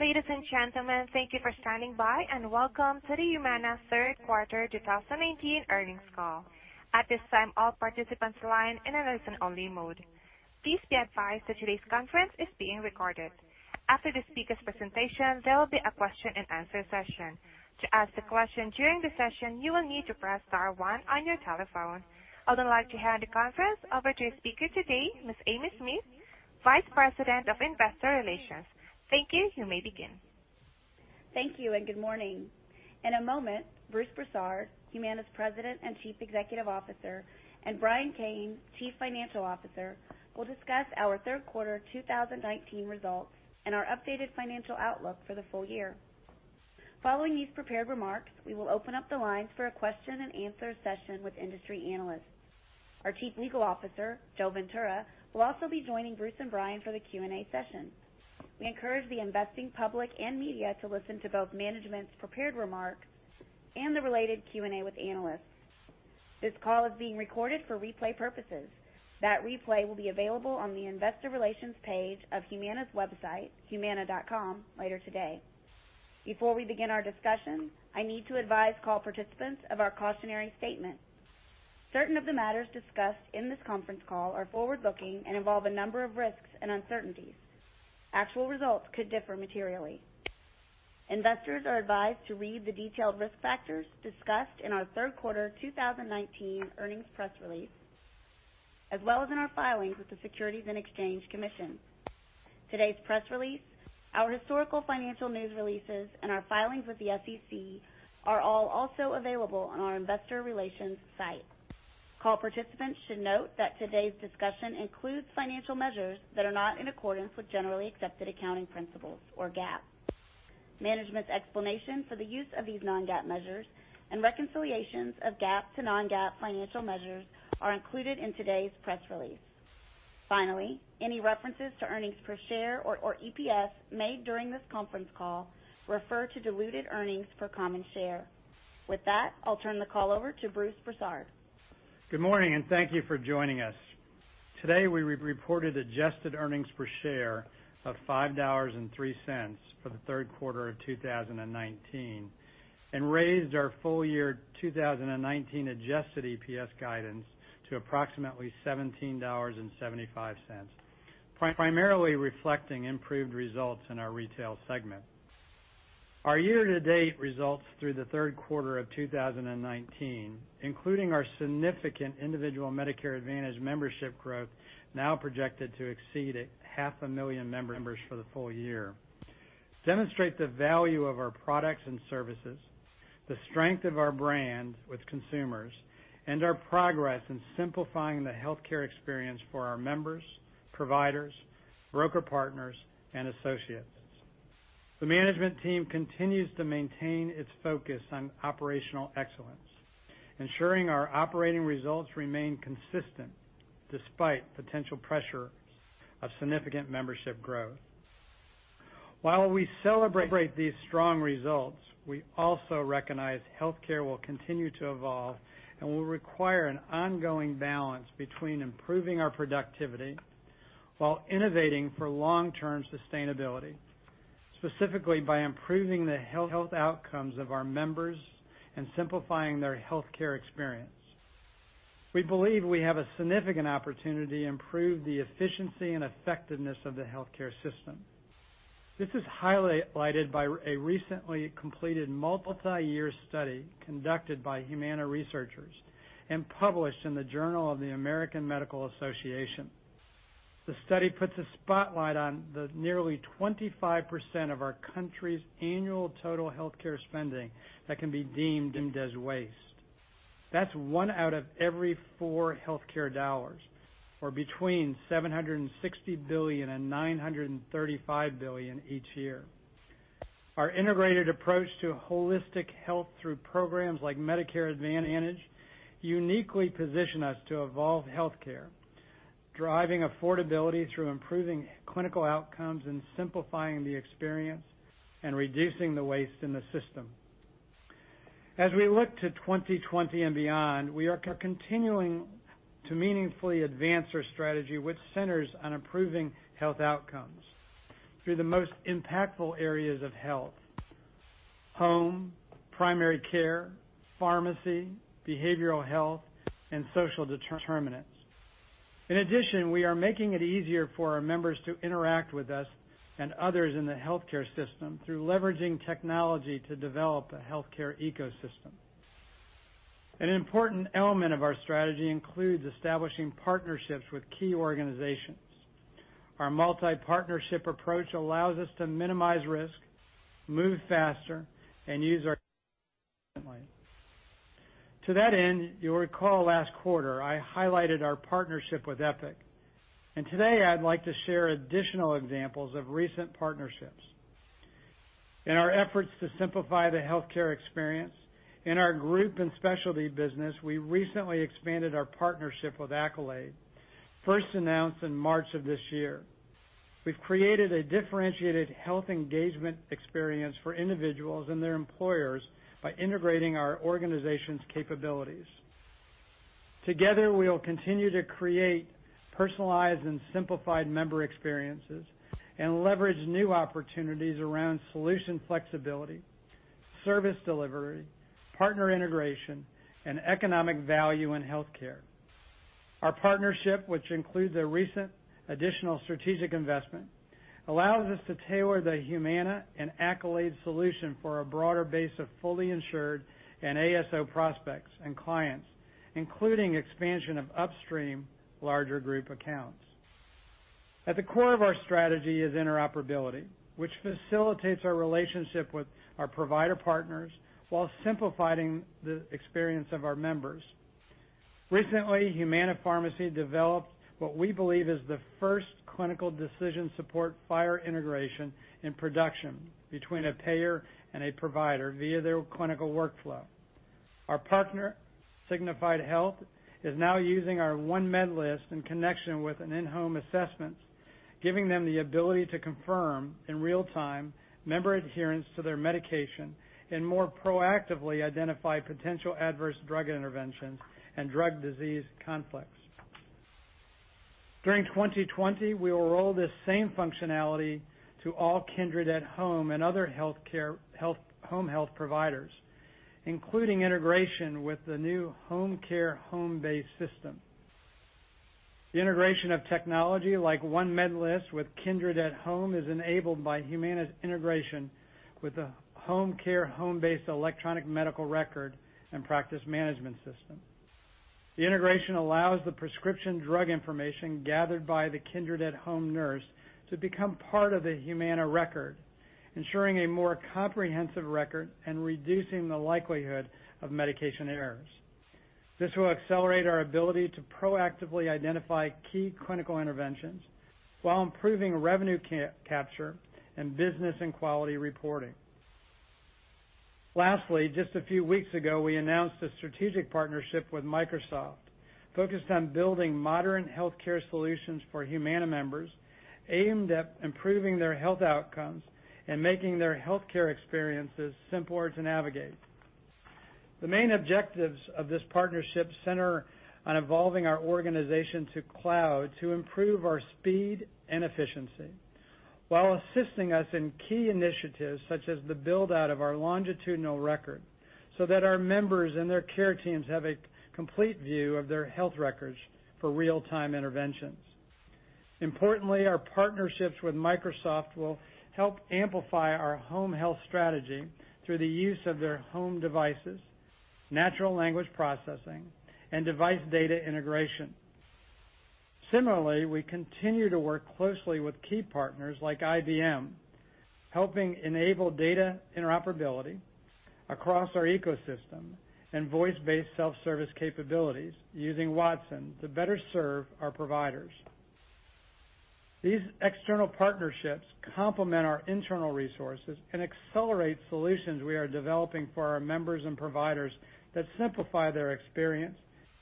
Ladies and gentlemen, thank you for standing by, and welcome to the Humana third quarter 2019 earnings call. At this time, all participants are in a listen-only mode. Please be advised that today's conference is being recorded. After the speakers' presentation, there will be a question and answer session. To ask a question during the session, you will need to press star one on your telephone. I would like to hand the conference over to a speaker today, Ms. Amy Smith, Vice President, Investor Relations. Thank you. You may begin. Thank you, good morning. In a moment, Bruce Broussard, Humana's President and Chief Executive Officer, and Brian Kane, Chief Financial Officer, will discuss our third quarter 2019 results and our updated financial outlook for the full year. Following these prepared remarks, we will open up the lines for a question and answer session with industry analysts. Our Chief Legal Officer, Joe Ventura, will also be joining Bruce and Brian for the Q&A session. We encourage the investing public and media to listen to both management's prepared remarks and the related Q&A with analysts. This call is being recorded for replay purposes. That replay will be available on the investor relations page of Humana's website, humana.com, later today. Before we begin our discussion, I need to advise call participants of our cautionary statement. Certain of the matters discussed in this conference call are forward-looking and involve a number of risks and uncertainties. Actual results could differ materially. Investors are advised to read the detailed risk factors discussed in our third quarter 2019 earnings press release, as well as in our filings with the Securities and Exchange Commission. Today's press release, our historical financial news releases, and our filings with the SEC are all also available on our investor relations site. Call participants should note that today's discussion includes financial measures that are not in accordance with generally accepted accounting principles or GAAP. Management's explanation for the use of these non-GAAP measures and reconciliations of GAAP to non-GAAP financial measures are included in today's press release. Finally, any references to earnings per share or EPS made during this conference call refer to diluted earnings per common share. With that, I'll turn the call over to Bruce Broussard. Good morning, and thank you for joining us. Today, we reported adjusted earnings per share of $5.03 for the third quarter of 2019 and raised our full year 2019 adjusted EPS guidance to approximately $17.75, primarily reflecting improved results in our retail segment. Our year-to-date results through the third quarter of 2019, including our significant individual Medicare Advantage membership growth now projected to exceed at half a million members for the full year, demonstrate the value of our products and services, the strength of our brand with consumers, and our progress in simplifying the healthcare experience for our members, providers, broker partners, and associates. The management team continues to maintain its focus on operational excellence, ensuring our operating results remain consistent despite potential pressure of significant membership growth. While we celebrate these strong results, we also recognize healthcare will continue to evolve and will require an ongoing balance between improving our productivity while innovating for long-term sustainability, specifically by improving the health outcomes of our members and simplifying their healthcare experience. We believe we have a significant opportunity to improve the efficiency and effectiveness of the healthcare system. This is highlighted by a recently completed multiyear study conducted by Humana researchers and published in the Journal of the American Medical Association. The study puts a spotlight on the nearly 25% of our country's annual total healthcare spending that can be deemed as waste. That's one out of every four healthcare dollars, or between $760 billion and $935 billion each year. Our integrated approach to holistic health through programs like Medicare Advantage uniquely position us to evolve healthcare, driving affordability through improving clinical outcomes and simplifying the experience and reducing the waste in the system. As we look to 2020 and beyond, we are continuing to meaningfully advance our strategy, which centers on improving health outcomes through the most impactful areas of health: home, primary care, pharmacy, behavioral health, and social determinants. We are making it easier for our members to interact with us and others in the healthcare system through leveraging technology to develop a healthcare ecosystem. An important element of our strategy includes establishing partnerships with key organizations. Our multi-partnership approach allows us to minimize risk, move faster, and use our differently. To that end, you'll recall last quarter I highlighted our partnership with Epic. Today I'd like to share additional examples of recent partnerships. In our efforts to simplify the healthcare experience in our group and specialty business, we recently expanded our partnership with Accolade, first announced in March of this year. We've created a differentiated health engagement experience for individuals and their employers by integrating our organization's capabilities. Together, we will continue to create personalized and simplified member experiences and leverage new opportunities around solution flexibility, service delivery, partner integration, and economic value in healthcare. Our partnership, which includes a recent additional strategic investment, allows us to tailor the Humana and Accolade solution for a broader base of fully insured and ASO prospects and clients, including expansion of upstream larger group accounts. At the core of our strategy is interoperability, which facilitates our relationship with our provider partners while simplifying the experience of our members. Recently, Humana Pharmacy developed what we believe is the first clinical decision support FHIR integration in production between a payer and a provider via their clinical workflow. Our partner, Signify Health, is now using our OneMedList in connection with an in-home assessment, giving them the ability to confirm in real time member adherence to their medication and more proactively identify potential adverse drug interventions and drug disease conflicts. During 2020, we will roll this same functionality to all Kindred at Home and other home health providers, including integration with the new HomeCare HomeBase system. The integration of technology like OneMedList with Kindred at Home is enabled by Humana's integration with the HomeCare HomeBase electronic medical record and practice management system. The integration allows the prescription drug information gathered by the Kindred at Home nurse to become part of the Humana record, ensuring a more comprehensive record and reducing the likelihood of medication errors. This will accelerate our ability to proactively identify key clinical interventions while improving revenue capture and business and quality reporting. Lastly, just a few weeks ago, we announced a strategic partnership with Microsoft focused on building modern healthcare solutions for Humana members aimed at improving their health outcomes and making their healthcare experiences simpler to navigate. The main objectives of this partnership center on evolving our organization to cloud to improve our speed and efficiency while assisting us in key initiatives such as the build-out of our longitudinal record so that our members and their care teams have a complete view of their health records for real-time interventions. Our partnerships with Microsoft will help amplify our home health strategy through the use of their home devices, natural language processing, and device data integration. We continue to work closely with key partners like IBM, helping enable data interoperability across our ecosystem and voice-based self-service capabilities using Watson to better serve our providers. These external partnerships complement our internal resources and accelerate solutions we are developing for our members and providers that simplify their experience,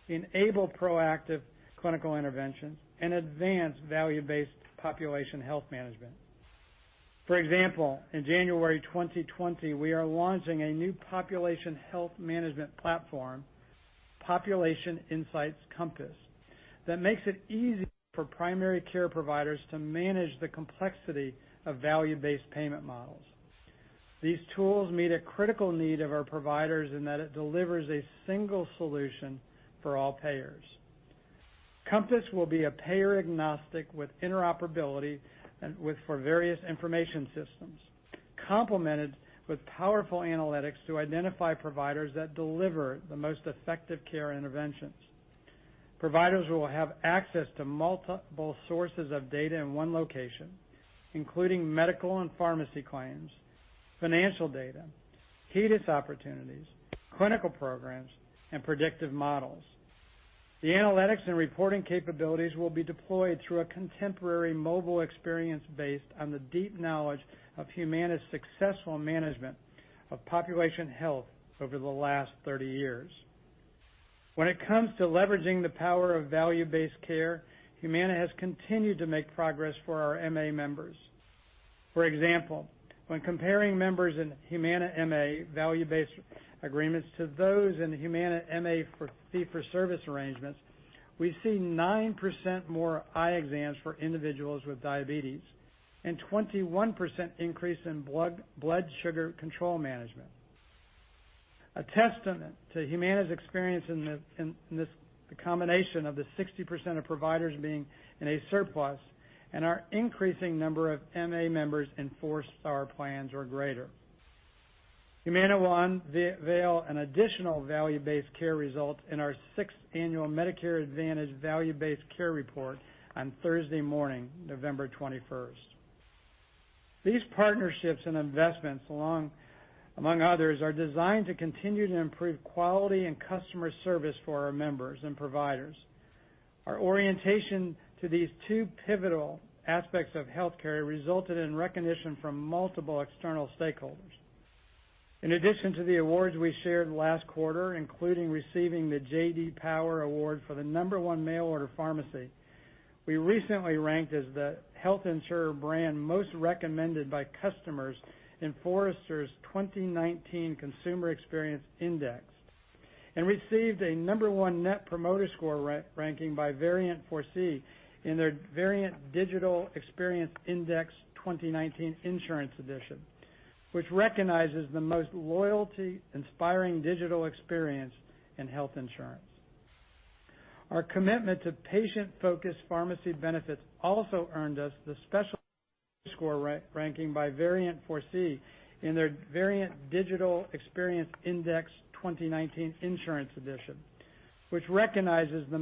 enable proactive clinical interventions, and advance value-based population health management. In January 2020, we are launching a new population health management platform, Population Insights Compass, that makes it easy for primary care providers to manage the complexity of value-based payment models. These tools meet a critical need of our providers in that it delivers a single solution for all payers. Compass will be payer agnostic with interoperability for various information systems, complemented with powerful analytics to identify providers that deliver the most effective care interventions. Providers will have access to multiple sources of data in one location, including medical and pharmacy claims, financial data, HEDIS opportunities, clinical programs, and predictive models. The analytics and reporting capabilities will be deployed through a contemporary mobile experience based on the deep knowledge of Humana's successful management of population health over the last 30 years. When it comes to leveraging the power of value-based care, Humana has continued to make progress for our MA members. For example, when comparing members in Humana MA value-based agreements to those in Humana MA fee for service arrangements, we see 9% more eye exams for individuals with diabetes and 21% increase in blood sugar control management. A testament to Humana's experience in this, the combination of the 60% of providers being in a surplus and our increasing number of MA members in 4-star plans or greater. Humana will unveil an additional value-based care result in our sixth annual Medicare Advantage Value-Based Care Report on Thursday morning, November 21st. These partnerships and investments, among others, are designed to continue to improve quality and customer service for our members and providers. Our orientation to these two pivotal aspects of healthcare resulted in recognition from multiple external stakeholders. In addition to the awards we shared last quarter, including receiving the J.D. Power Award for the number one mail order pharmacy. We recently ranked as the health insurer brand most recommended by customers in Forrester's 2019 Consumer Experience Index, and received a number one net promoter score ranking by Verint ForeSee in their Verint Digital Experience Index 2019 Insurance Edition, which recognizes the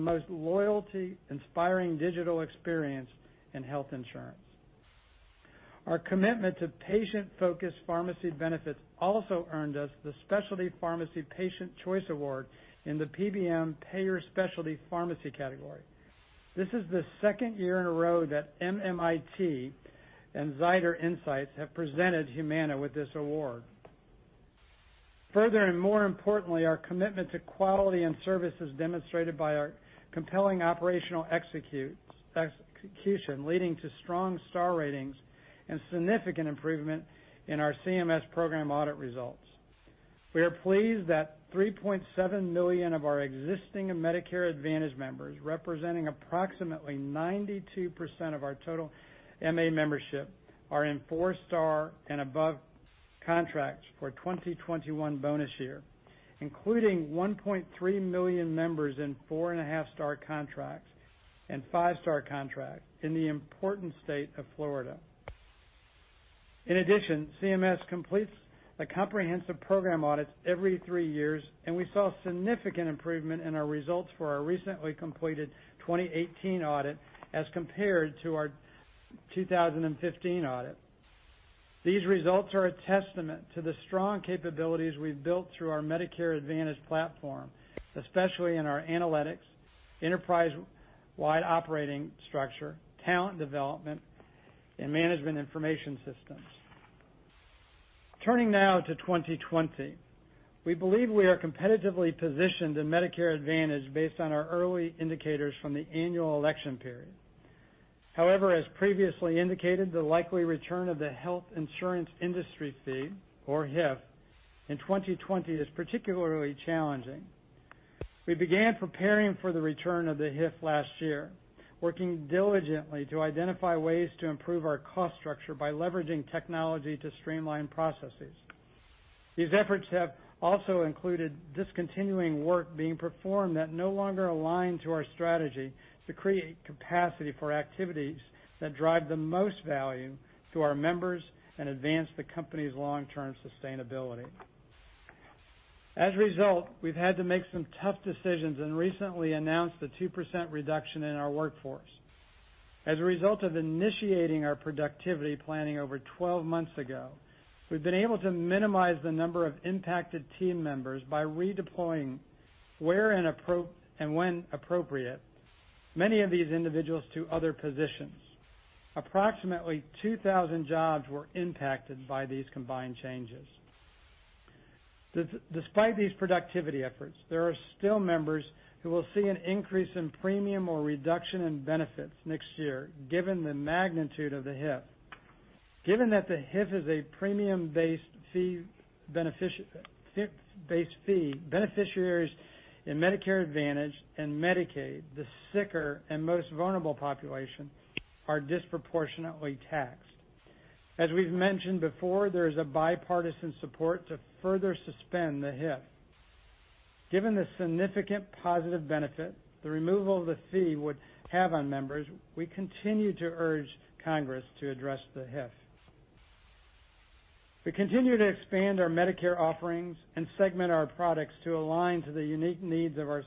most loyalty-inspiring digital experience in health insurance. Our commitment to patient-focused pharmacy benefits also earned us the specialty score ranking by Verint ForeSee in their Verint Digital Experience Index 2019 Insurance Edition, which recognizes the most loyalty-inspiring digital experience in health insurance. Our commitment to patient-focused pharmacy benefits also earned us the Specialty Pharmacy Patient Choice Award in the PBM Payer Specialty Pharmacy category. This is the second year in a row that MMIT and Zitter Insights have presented Humana with this award. Further, and more importantly, our commitment to quality and service is demonstrated by our compelling operational execution, leading to strong star ratings and significant improvement in our CMS program audit results. We are pleased that 3.7 million of our existing Medicare Advantage members, representing approximately 92% of our total MA membership, are in four-star and above contracts for 2021 bonus year, including 1.3 million members in four and a half star contracts and five-star contracts in the important state of Florida. In addition, CMS completes a comprehensive program audit every three years, and we saw significant improvement in our results for our recently completed 2018 audit as compared to our 2015 audit. These results are a testament to the strong capabilities we've built through our Medicare Advantage platform, especially in our analytics, enterprise-wide operating structure, talent development, and management information systems. Turning now to 2020. We believe we are competitively positioned in Medicare Advantage based on our early indicators from the annual election period. However, as previously indicated, the likely return of the Health Insurance Industry Fee, or HIF, in 2020 is particularly challenging. We began preparing for the return of the HIF last year, working diligently to identify ways to improve our cost structure by leveraging technology to streamline processes. These efforts have also included discontinuing work being performed that no longer align to our strategy to create capacity for activities that drive the most value to our members and advance the company's long-term sustainability. As a result, we've had to make some tough decisions and recently announced a 2% reduction in our workforce. As a result of initiating our productivity planning over 12 months ago, we've been able to minimize the number of impacted team members by redeploying, where and when appropriate, many of these individuals to other positions. Approximately 2,000 jobs were impacted by these combined changes. Despite these productivity efforts, there are still members who will see an increase in premium or reduction in benefits next year, given the magnitude of the HIF. Given that the HIF is a premium-based fee, beneficiaries in Medicare Advantage and Medicaid, the sicker and most vulnerable population, are disproportionately taxed. As we've mentioned before, there is a bipartisan support to further suspend the HIF. Given the significant positive benefit the removal of the fee would have on members, we continue to urge Congress to address the HIF. We continue to expand our Medicare offerings and segment our products to align to the unique needs of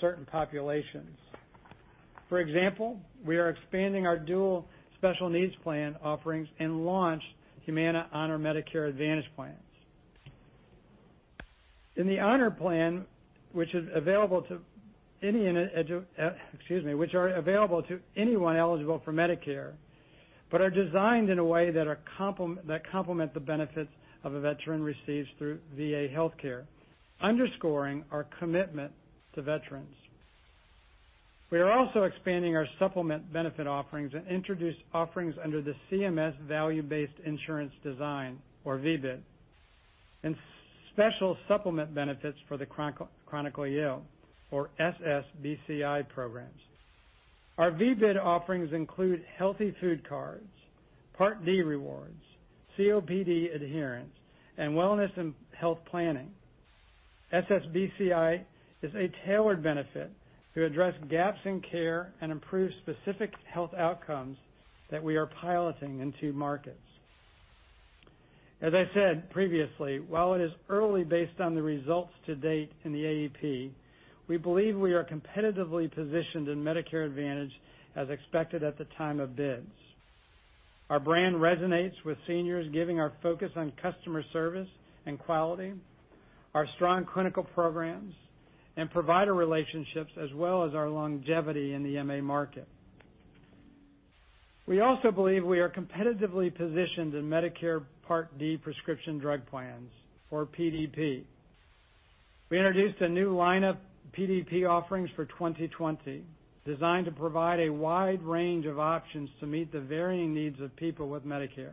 certain populations. For example, we are expanding our Dual Special Needs Plan offerings and launched Humana Honor Medicare Advantage Plans. In the Honor Plan, which are available to anyone eligible for Medicare, but are designed in a way that complement the benefits a veteran receives through VA healthcare, underscoring our commitment to veterans. We are also expanding our supplement benefit offerings and introduce offerings under the CMS Value-Based Insurance Design, or V-BID, and Special Supplement Benefits for the Chronically Ill, or SSBCI programs. Our V-BID offerings include healthy food cards, Part D rewards, COPD adherence, and wellness and health planning. SSBCI is a tailored benefit to address gaps in care and improve specific health outcomes that we are piloting in two markets. As I said previously, while it is early based on the results to date in the AEP, we believe we are competitively positioned in Medicare Advantage as expected at the time of bids. Our brand resonates with seniors, given our focus on customer service and quality, our strong clinical programs and provider relationships, as well as our longevity in the MA market. We also believe we are competitively positioned in Medicare Part D prescription drug plans, or PDP. We introduced a new lineup of PDP offerings for 2020, designed to provide a wide range of options to meet the varying needs of people with Medicare.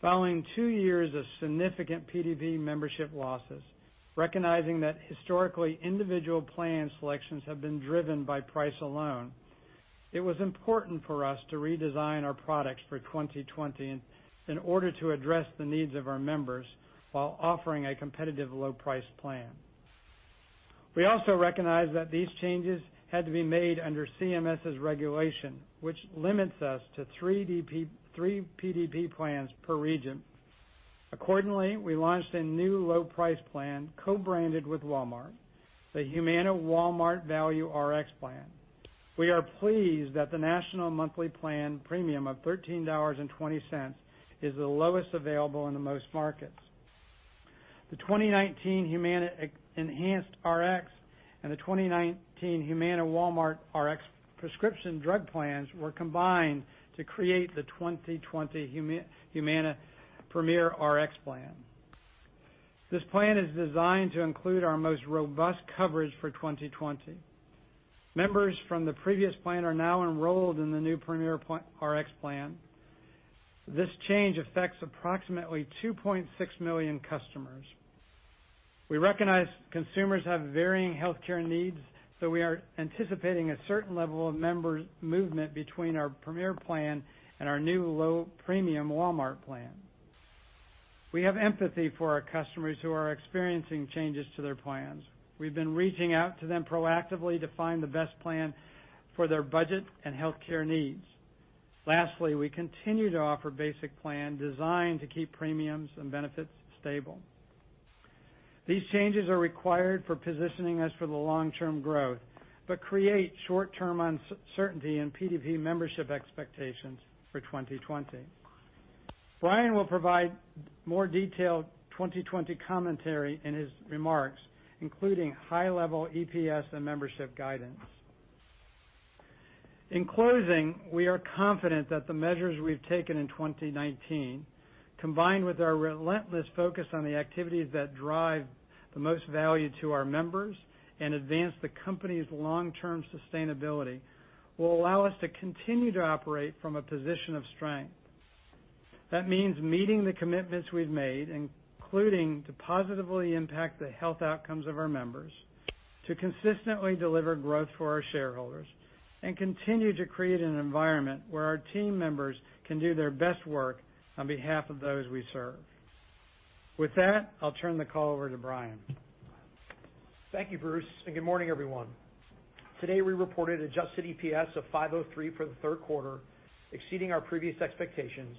Following two years of significant PDP membership losses, recognizing that historically individual plan selections have been driven by price alone, it was important for us to redesign our products for 2020 in order to address the needs of our members while offering a competitive low price plan. We also recognize that these changes had to be made under CMS's regulation, which limits us to three PDP plans per region. Accordingly, we launched a new low price plan co-branded with Walmart, the Humana Walmart Value Rx Plan. We are pleased that the national monthly plan premium of $13.20 is the lowest available in the most markets. The 2019 Humana Enhanced Rx and the 2019 Humana Walmart Rx prescription drug plans were combined to create the 2020 Humana Premier Rx Plan. This plan is designed to include our most robust coverage for 2020. Members from the previous plan are now enrolled in the new Premier Rx Plan. This change affects approximately 2.6 million customers. We recognize consumers have varying healthcare needs, so we are anticipating a certain level of members movement between our Premier Plan and our new low premium Walmart Plan. We have empathy for our customers who are experiencing changes to their plans. We've been reaching out to them proactively to find the best plan for their budget and healthcare needs. Lastly, we continue to offer basic plan designed to keep premiums and benefits stable. These changes are required for positioning us for the long-term growth but create short-term uncertainty in PDP membership expectations for 2020. Brian will provide more detailed 2020 commentary in his remarks, including high-level EPS and membership guidance. In closing, we are confident that the measures we've taken in 2019, combined with our relentless focus on the activities that drive the most value to our members and advance the company's long-term sustainability, will allow us to continue to operate from a position of strength. That means meeting the commitments we've made, including to positively impact the health outcomes of our members, to consistently deliver growth for our shareholders, and continue to create an environment where our team members can do their best work on behalf of those we serve. With that, I'll turn the call over to Brian. Thank you, Bruce, and good morning, everyone. Today, we reported adjusted EPS of $5.03 for the third quarter, exceeding our previous expectations,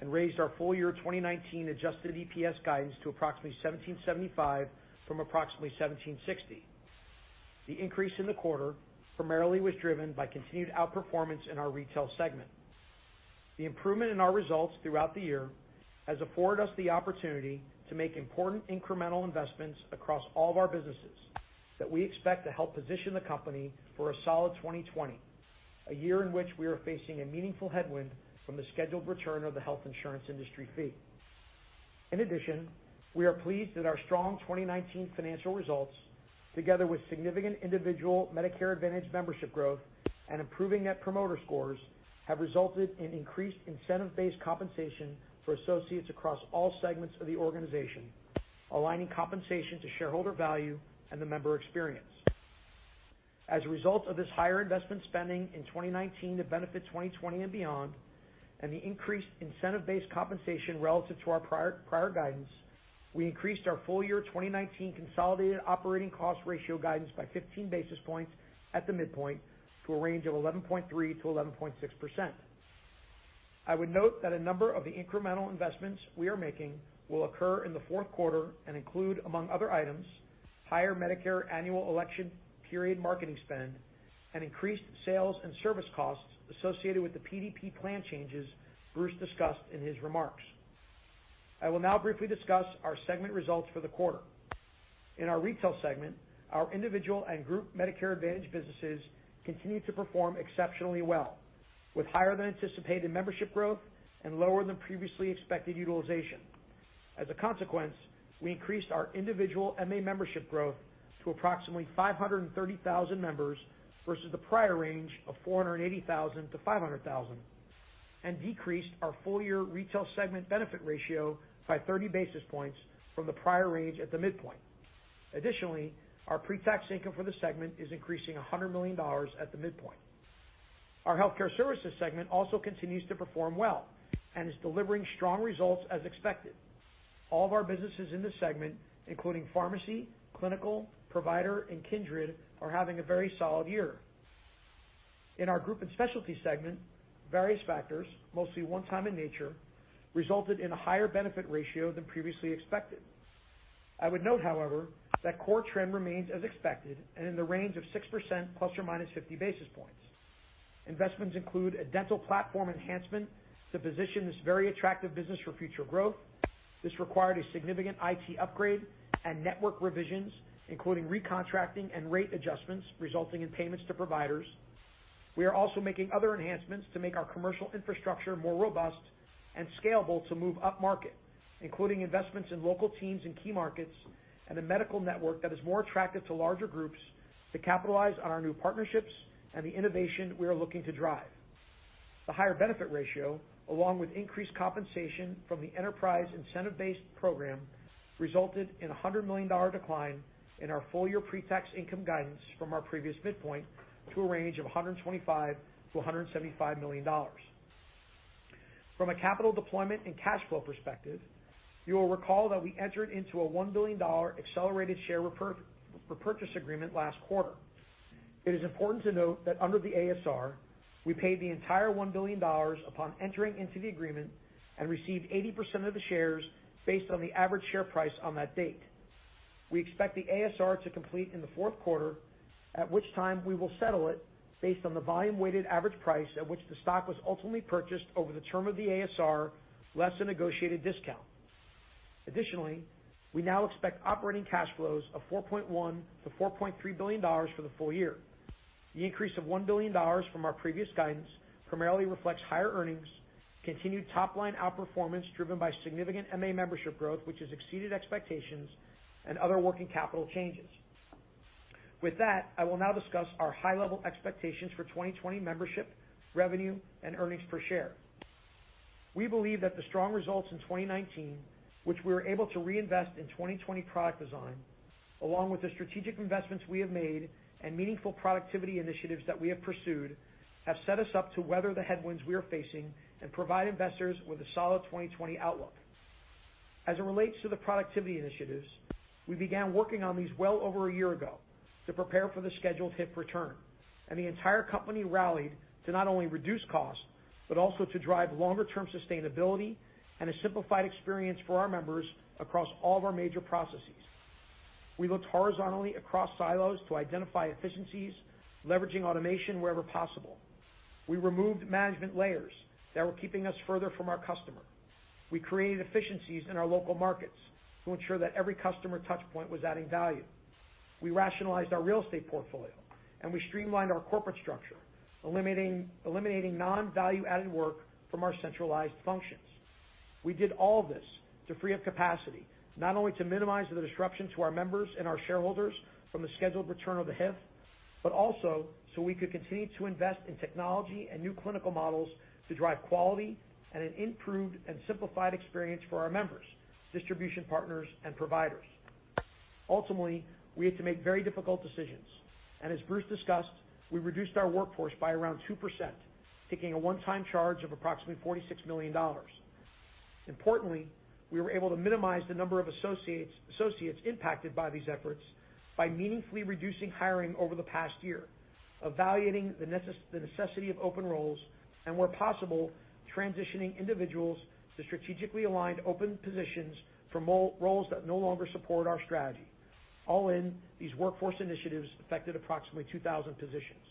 and raised our full year 2019 adjusted EPS guidance to approximately $17.75 from approximately $17.60. The increase in the quarter primarily was driven by continued outperformance in our Retail segment. The improvement in our results throughout the year has afforded us the opportunity to make important incremental investments across all of our businesses that we expect to help position the company for a solid 2020, a year in which we are facing a meaningful headwind from the scheduled return of the Health Insurance Industry Fee. In addition, we are pleased that our strong 2019 financial results, together with significant individual Medicare Advantage membership growth and improving net promoter scores, have resulted in increased incentive-based compensation for associates across all segments of the organization, aligning compensation to shareholder value and the member experience. As a result of this higher investment spending in 2019 to benefit 2020 and beyond, and the increased incentive-based compensation relative to our prior guidance, we increased our full-year 2019 consolidated operating cost ratio guidance by 15 basis points at the midpoint to a range of 11.3%-11.6%. I would note that a number of the incremental investments we are making will occur in the fourth quarter and include, among other items, higher Medicare annual election period marketing spend and increased sales and service costs associated with the PDP plan changes Bruce discussed in his remarks. I will now briefly discuss our segment results for the quarter. In our retail segment, our individual and group Medicare Advantage businesses continued to perform exceptionally well with higher than anticipated membership growth and lower than previously expected utilization. As a consequence, we increased our individual MA membership growth to approximately 530,000 members versus the prior range of 480,000-500,000, and decreased our full-year retail segment benefit ratio by 30 basis points from the prior range at the midpoint. Additionally, our pre-tax income for the segment is increasing $100 million at the midpoint. Our healthcare services segment also continues to perform well and is delivering strong results as expected. All of our businesses in this segment, including pharmacy, clinical, provider, and Kindred, are having a very solid year. In our group and specialty segment, various factors, mostly one-time in nature, resulted in a higher benefit ratio than previously expected. I would note, however, that core trend remains as expected and in the range of 6% plus or minus 50 basis points. Investments include a dental platform enhancement to position this very attractive business for future growth. This required a significant IT upgrade and network revisions, including recontracting and rate adjustments resulting in payments to providers. We are also making other enhancements to make our commercial infrastructure more robust and scalable to move upmarket, including investments in local teams in key markets and a medical network that is more attractive to larger groups to capitalize on our new partnerships and the innovation we are looking to drive. The higher benefit ratio, along with increased compensation from the enterprise incentive-based program, resulted in a $100 million decline in our full-year pre-tax income guidance from our previous midpoint to a range of $125 million-$175 million. From a capital deployment and cash flow perspective, you will recall that we entered into a $1 billion accelerated share repurchase agreement last quarter. It is important to note that under the ASR, we paid the entire $1 billion upon entering into the agreement and received 80% of the shares based on the average share price on that date. We expect the ASR to complete in the fourth quarter, at which time we will settle it based on the volume-weighted average price at which the stock was ultimately purchased over the term of the ASR, less a negotiated discount. We now expect operating cash flows of $4.1 billion-$4.3 billion for the full year. The increase of $1 billion from our previous guidance primarily reflects higher earnings, continued top-line outperformance driven by significant MA membership growth, which has exceeded expectations, and other working capital changes. With that, I will now discuss our high-level expectations for 2020 membership, revenue, and earnings per share. We believe that the strong results in 2019, which we were able to reinvest in 2020 product design, along with the strategic investments we have made and meaningful productivity initiatives that we have pursued, have set us up to weather the headwinds we are facing and provide investors with a solid 2020 outlook. As it relates to the productivity initiatives, we began working on these well over a year ago to prepare for the scheduled HIF return, and the entire company rallied to not only reduce costs but also to drive longer-term sustainability and a simplified experience for our members across all of our major processes. We looked horizontally across silos to identify efficiencies, leveraging automation wherever possible. We removed management layers that were keeping us further from our customers. We created efficiencies in our local markets to ensure that every customer touchpoint was adding value. We rationalized our real estate portfolio, and we streamlined our corporate structure, eliminating non-value-added work from our centralized functions. We did all this to free up capacity, not only to minimize the disruption to our members and our shareholders from the scheduled return of the HIF, but also so we could continue to invest in technology and new clinical models to drive quality and an improved and simplified experience for our members, distribution partners, and providers. Ultimately, we had to make very difficult decisions, and as Bruce discussed, we reduced our workforce by around 2%, taking a one-time charge of approximately $46 million. Importantly, we were able to minimize the number of associates impacted by these efforts by meaningfully reducing hiring over the past year, evaluating the necessity of open roles, and, where possible, transitioning individuals to strategically aligned open positions from roles that no longer support our strategy. All in, these workforce initiatives affected approximately 2,000 positions.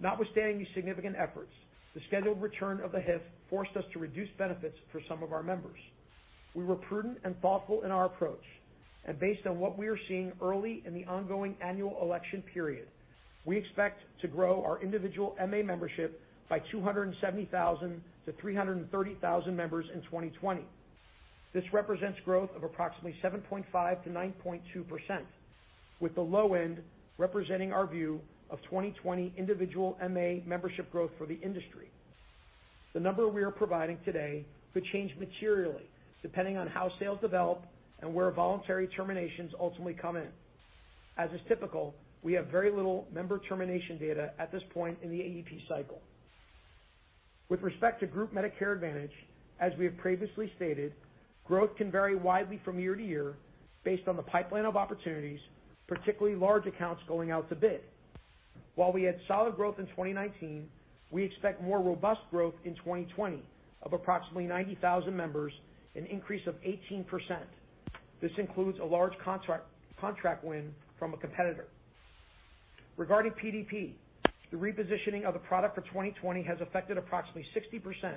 Notwithstanding these significant efforts, the scheduled return of the HIF forced us to reduce benefits for some of our members. We were prudent and thoughtful in our approach, and based on what we are seeing early in the ongoing annual election period, we expect to grow our individual MA membership by 270,000-330,000 members in 2020. This represents growth of approximately 7.5%-9.2%, with the low end representing our view of 2020 individual MA membership growth for the industry. The number we are providing today could change materially, depending on how sales develop and where voluntary terminations ultimately come in. As is typical, we have very little member termination data at this point in the AEP cycle. With respect to group Medicare Advantage, as we have previously stated, growth can vary widely from year to year based on the pipeline of opportunities, particularly large accounts going out to bid. While we had solid growth in 2019, we expect more robust growth in 2020 of approximately 90,000 members, an increase of 18%. This includes a large contract win from a competitor. Regarding PDP, the repositioning of the product for 2020 has affected approximately 60%,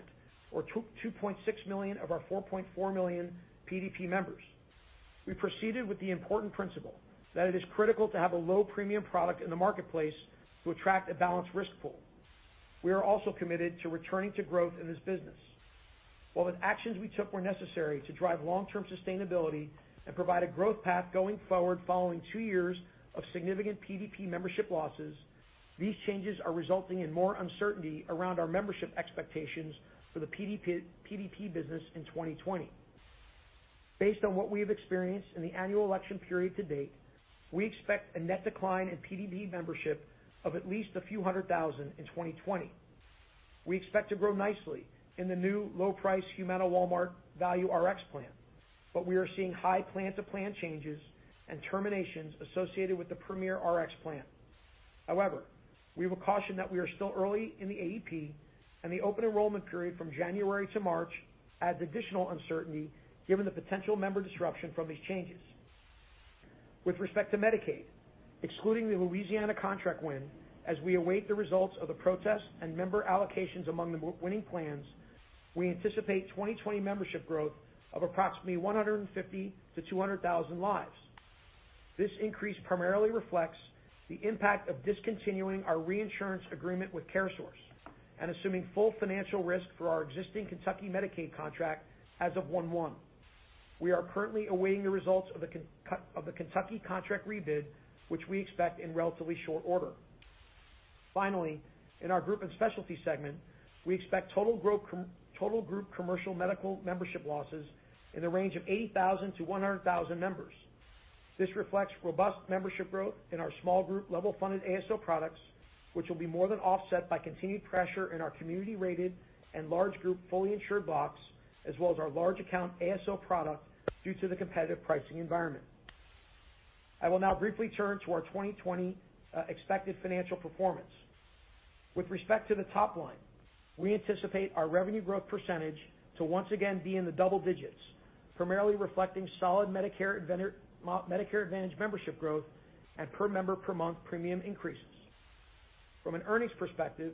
or 2.6 million, of our 4.4 million PDP members. We proceeded with the important principle that it is critical to have a low-premium product in the marketplace to attract a balanced risk pool. We are also committed to returning to growth in this business. While the actions we took were necessary to drive long-term sustainability and provide a growth path going forward following two years of significant PDP membership losses, these changes are resulting in more uncertainty around our membership expectations for the PDP business in 2020. Based on what we have experienced in the Annual Election Period to date, we expect a net decline in PDP membership of at least a few hundred thousand in 2020. We expect to grow nicely in the new low-price Humana Walmart Value Rx Plan, but we are seeing high plan-to-plan changes and terminations associated with the Premier Rx Plan. However, we will caution that we are still early in the AEP, and the open enrollment period from January to March adds additional uncertainty given the potential member disruption from these changes. With respect to Medicaid, excluding the Louisiana contract win, as we await the results of the protest and member allocations among the winning plans, we anticipate 2020 membership growth of approximately 150,000-200,000 lives. This increase primarily reflects the impact of discontinuing our reinsurance agreement with CareSource and assuming full financial risk for our existing Kentucky Medicaid contract as of January 1. We are currently awaiting the results of the Kentucky contract rebid, which we expect in relatively short order. Finally, in our group and specialty segment, we expect total group commercial medical membership losses in the range of 80,000-100,000 members. This reflects robust membership growth in our small group level funded ASO products, which will be more than offset by continued pressure in our community-rated and large group fully insured blocks, as well as our large account ASO product due to the competitive pricing environment. I will now briefly turn to our 2020 expected financial performance. With respect to the top line, we anticipate our revenue growth percentage to once again be in the double digits, primarily reflecting solid Medicare Advantage membership growth and per member per month premium increases. From an earnings perspective,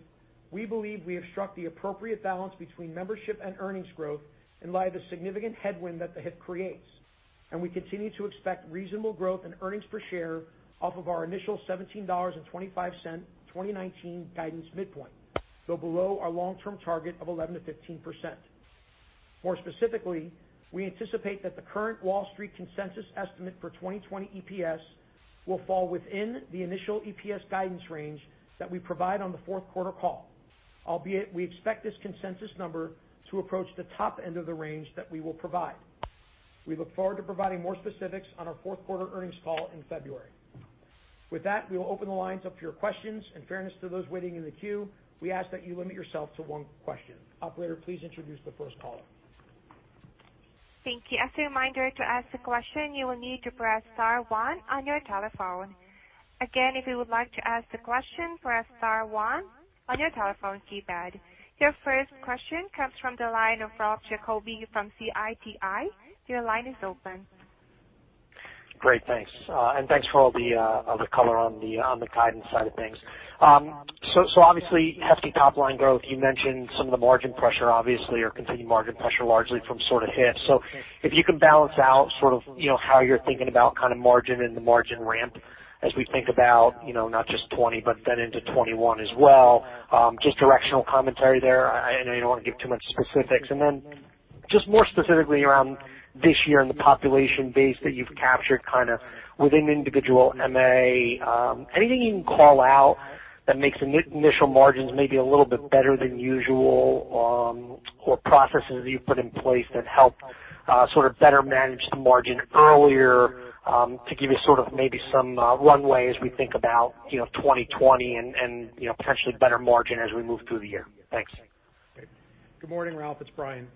we believe we have struck the appropriate balance between membership and earnings growth in light of the significant headwind that the HIP creates. We continue to expect reasonable growth in earnings per share off of our initial $17.25 2019 guidance midpoint, though below our long-term target of 11%-15%. More specifically, we anticipate that the current Wall Street consensus estimate for 2020 EPS will fall within the initial EPS guidance range that we provide on the fourth quarter call. Albeit we expect this consensus number to approach the top end of the range that we will provide. We look forward to providing more specifics on our fourth quarter earnings call in February. With that, we will open the lines up to your questions. In fairness to those waiting in the queue, we ask that you limit yourself to one question. Operator, please introduce the first caller. Thank you. As a reminder, to ask the question, you will need to press star one on your telephone. Again, if you would like to ask the question, press star one on your telephone keypad. Your first question comes from the line of Ralph Giacobbe from Citi. Your line is open. Great, thanks. Thanks for all the color on the guidance side of things. Obviously, hefty top-line growth. You mentioned some of the margin pressure, obviously, or continued margin pressure largely from sort of HIF. If you can balance out how you're thinking about margin and the margin ramp as we think about not just 2020, but then into 2021 as well. Just directional commentary there. I know you don't want to give too much specifics. Then just more specifically around this year and the population base that you've captured kind of within individual MA, anything you can call out that makes initial margins maybe a little bit better than usual? Processes that you've put in place that help sort of better manage the margin earlier, to give you sort of maybe some runway as we think about 2020 and potentially better margin as we move through the year. Thanks. Good morning, Ralph. It's Brian.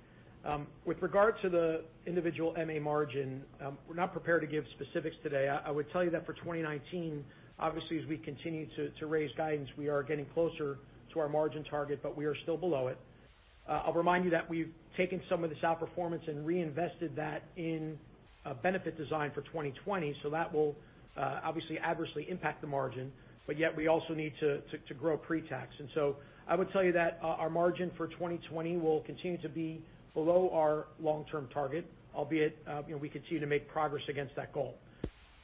With regard to the individual MA margin, we're not prepared to give specifics today. I would tell you that for 2019, obviously, as we continue to raise guidance, we are getting closer to our margin target, but we are still below it. I'll remind you that we've taken some of this outperformance and reinvested that in a benefit design for 2020. That will obviously adversely impact the margin, but yet we also need to grow pre-tax. I would tell you that our margin for 2020 will continue to be below our long-term target, albeit we continue to make progress against that goal.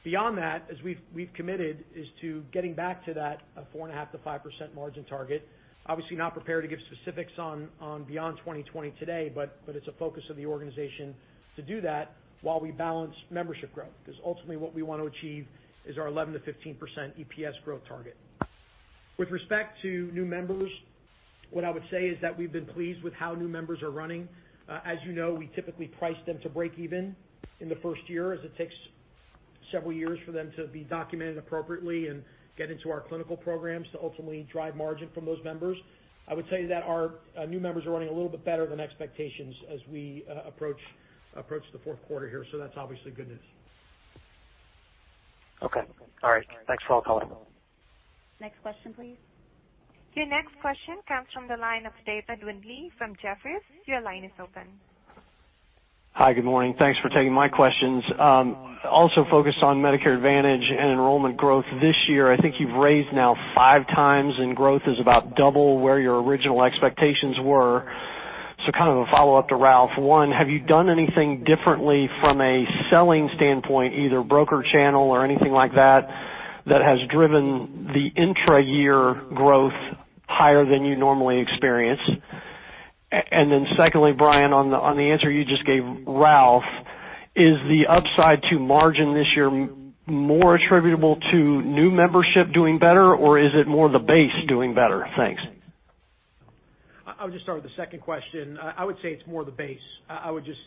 Beyond that, as we've committed, is to getting back to that 4.5%-5% margin target. Obviously, not prepared to give specifics on beyond 2020 today, but it's a focus of the organization to do that while we balance membership growth, because ultimately what we want to achieve is our 11%-15% EPS growth target. With respect to new members, what I would say is that we've been pleased with how new members are running. As you know, we typically price them to break even in the first year as it takes several years for them to be documented appropriately and get into our clinical programs to ultimately drive margin from those members. I would tell you that our new members are running a little bit better than expectations as we approach the fourth quarter here. That's obviously good news. Okay. All right. Thanks for all the color. Next question, please. Your next question comes from the line of David Windley from Jefferies. Your line is open. Hi, good morning. Thanks for taking my questions. Also focused on Medicare Advantage and enrollment growth this year. I think you've raised now five times, and growth is about double where your original expectations were. Kind of a follow-up to Ralph. One, have you done anything differently from a selling standpoint, either broker channel or anything like that has driven the intra-year growth higher than you normally experience? Secondly, Brian, on the answer you just gave Ralph, is the upside to margin this year more attributable to new membership doing better, or is it more the base doing better? Thanks. I'll just start with the second question. I would say it's more the base. I would just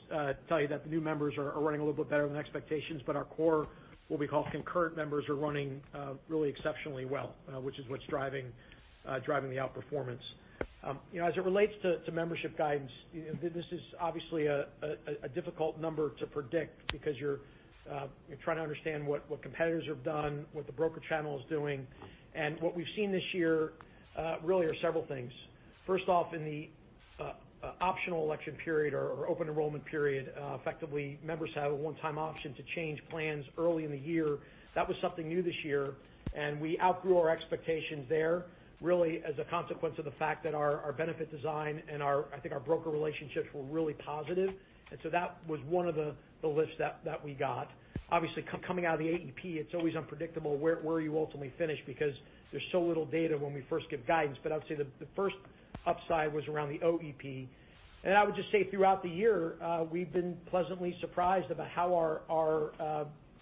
tell you that the new members are running a little bit better than expectations, but our core, what we call concurrent members, are running really exceptionally well, which is what's driving the outperformance. As it relates to membership guidance, this is obviously a difficult number to predict because you're trying to understand what competitors have done, what the broker channel is doing. What we've seen this year really are several things. First off, in the Optional Election Period or Open Enrollment Period, effectively, members have a one-time option to change plans early in the year. That was something new this year, and we outgrew our expectations there, really as a consequence of the fact that our benefit design and our broker relationships were really positive. That was one of the lifts that we got. Obviously, coming out of the AEP, it's always unpredictable where you ultimately finish because there's so little data when we first give guidance. I would say the first upside was around the OEP. I would just say throughout the year, we've been pleasantly surprised about how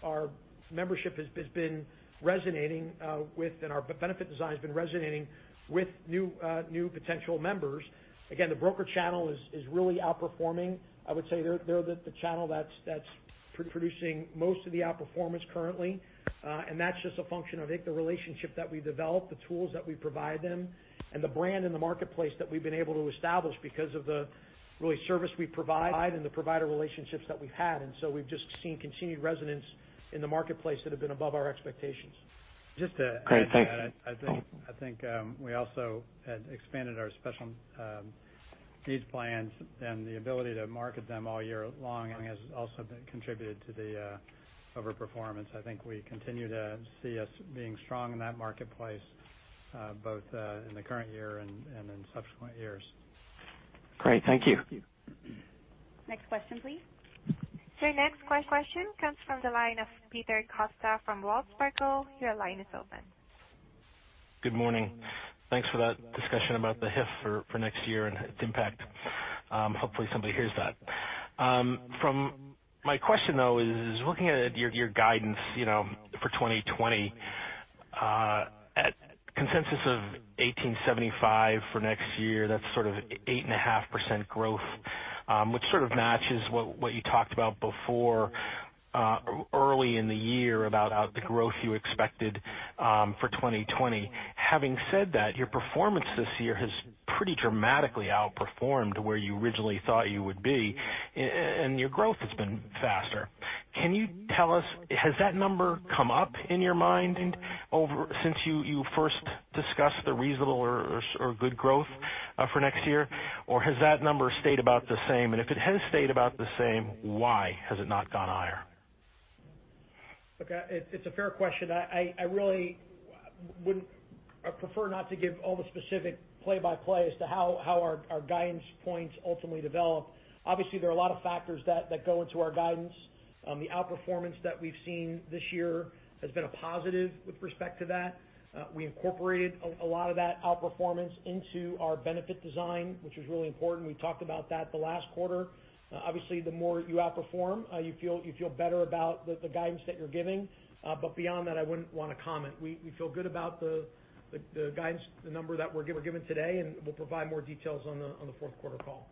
our membership has been resonating with, and our benefit design has been resonating with new potential members. Again, the broker channel is really outperforming. I would say they're the channel that's producing most of the outperformance currently. That's just a function of, I think, the relationship that we've developed, the tools that we provide them, and the brand in the marketplace that we've been able to establish because of the service we provide and the provider relationships that we've had. We've just seen continued resonance in the marketplace that have been above our expectations. Great. Thank you. I think we also had expanded our Special Needs Plans, and the ability to market them all year long has also contributed to the overperformance. I think we continue to see us being strong in that marketplace, both in the current year and in subsequent years. Great. Thank you. Next question, please. Your next question comes from the line of Peter Costa from Wells Fargo. Your line is open. Good morning. Thanks for that discussion about the HIF for next year and its impact. Hopefully, somebody hears that. My question, though, is looking at your guidance for 2020, a consensus of $18.75 for next year, that's 8.5% growth, which sort of matches what you talked about before early in the year about the growth you expected for 2020. Having said that, your performance this year has pretty dramatically outperformed where you originally thought you would be, and your growth has been faster. Can you tell us, has that number come up in your mind since you first discussed the reasonable or good growth for next year? Has that number stayed about the same? If it has stayed about the same, why has it not gone higher? Look, it's a fair question. I really would prefer not to give all the specific play-by-play as to how our guidance points ultimately develop. There are a lot of factors that go into our guidance. The outperformance that we've seen this year has been positive with respect to that. We incorporated a lot of that outperformance into our benefit design, which was really important. We talked about that the last quarter. The more you outperform, you feel better about the guidance that you're giving. Beyond that, I wouldn't want to comment. We feel good about the guidance, the number that we're giving today, and we'll provide more details on the fourth quarter call.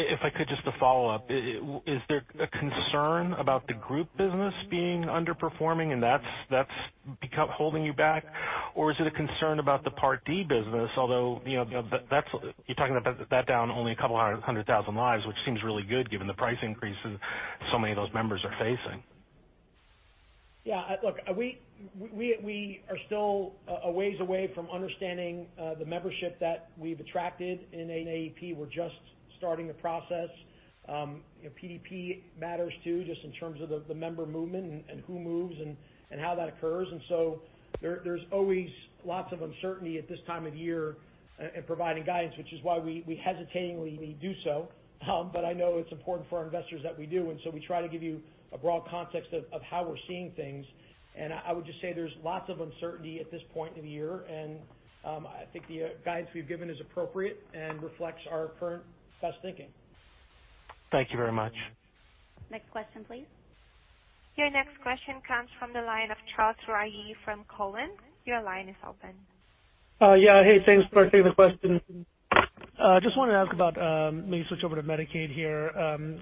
If I could just a follow-up. Is there a concern about the group business being underperforming, and that's holding you back? Or is it a concern about the Part D business? Although you're talking about that down only 200,000 lives, which seems really good given the price increases so many of those members are facing. Yeah, look, we are still a ways away from understanding the membership that we've attracted in AEP. We're just starting the process. PDP matters, too, just in terms of the member movement and who moves and how that occurs. There's always lots of uncertainty at this time of year in providing guidance, which is why we hesitatingly do so. I know it's important for our investors that we do. We try to give you a broad context of how we're seeing things. I would just say there's lots of uncertainty at this point in the year, and I think the guidance we've given is appropriate and reflects our current best thinking. Thank you very much. Next question, please. Your next question comes from the line of Charles Rhyee from Cowen. Your line is open. Yeah. Hey, thanks for taking the question. Just wanted to ask about maybe switch over to Medicaid here.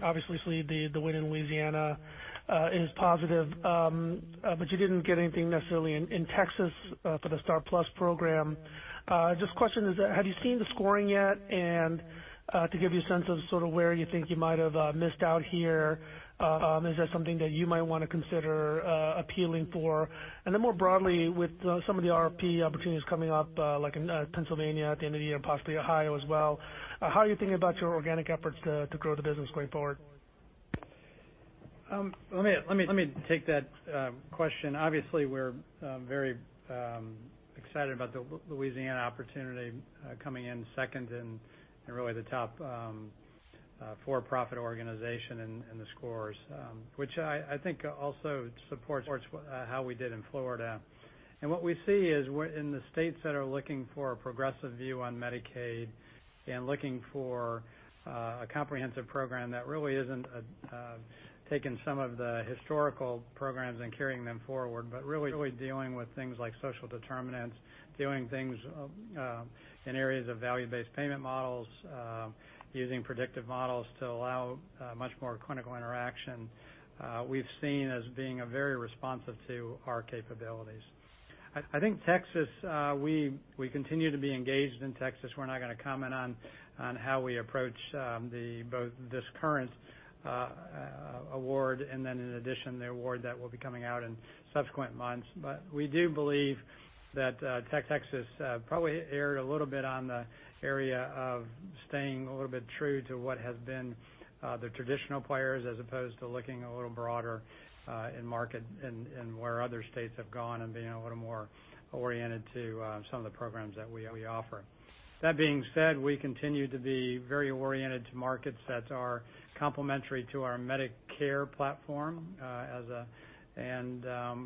Obviously, the win in Louisiana is positive. You didn't get anything necessarily in Texas for the STAR+PLUS program. Just question, have you seen the scoring yet? To give you a sense of sort of where you think you might have missed out here, is that something that you might want to consider appealing for? More broadly, with some of the RFP opportunities coming up, like in Pennsylvania at the end of the year, possibly Ohio as well, how are you thinking about your organic efforts to grow the business going forward? Let me take that question. Obviously, we're very excited about the Louisiana opportunity coming in second and really the top for-profit organization and the scores, which I think also supports how we did in Florida. What we see is in the states that are looking for a progressive view on Medicaid. Looking for a comprehensive program that really isn't taking some of the historical programs and carrying them forward, but really dealing with things like social determinants, dealing with things in areas of value-based payment models, using predictive models to allow much more clinical interaction, we've seen as being very responsive to our capabilities. I think Texas, we continue to be engaged in Texas. We're not going to comment on how we approach both this current award and then in addition, the award that will be coming out in subsequent months. We do believe that Texas probably erred a little bit on the area of staying a little bit true to what has been the traditional players, as opposed to looking a little broader in market and where other states have gone and being a little more oriented to some of the programs that we offer. That being said, we continue to be very oriented to markets that are complementary to our Medicare platform.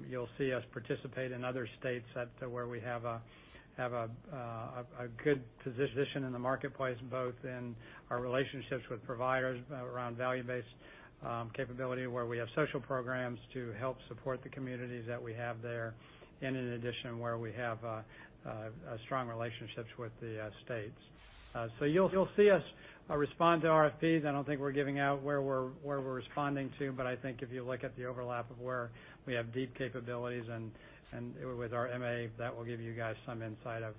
You'll see us participate in other states where we have a good position in the marketplace, both in our relationships with providers around value-based capability, where we have social programs to help support the communities that we have there. In addition, where we have strong relationships with the states. You'll see us respond to RFPs. I don't think we're giving out where we're responding to, but I think if you look at the overlap of where we have deep capabilities and with our MA, that will give you guys some insight of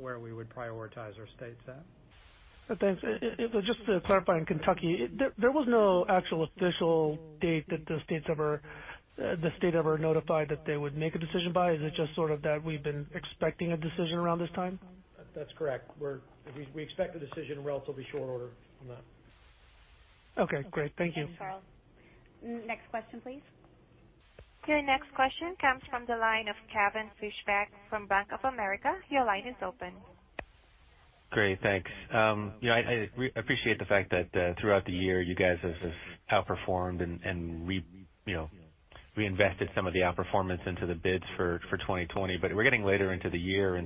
where we would prioritize our states at. Thanks. Just to clarify, in Kentucky, there was no actual official date that the state ever notified that they would make a decision by? Is it just sort of that we've been expecting a decision around this time? That's correct. We expect a decision in relatively short order on that. Okay, great. Thank you. Okay. Thanks, Charles. Next question, please. Your next question comes from the line of Kevin Fischbeck from Bank of America. Your line is open. Great. Thanks. I appreciate the fact that throughout the year, you guys have outperformed and reinvested some of the outperformance into the bids for 2020. We're getting later into the year,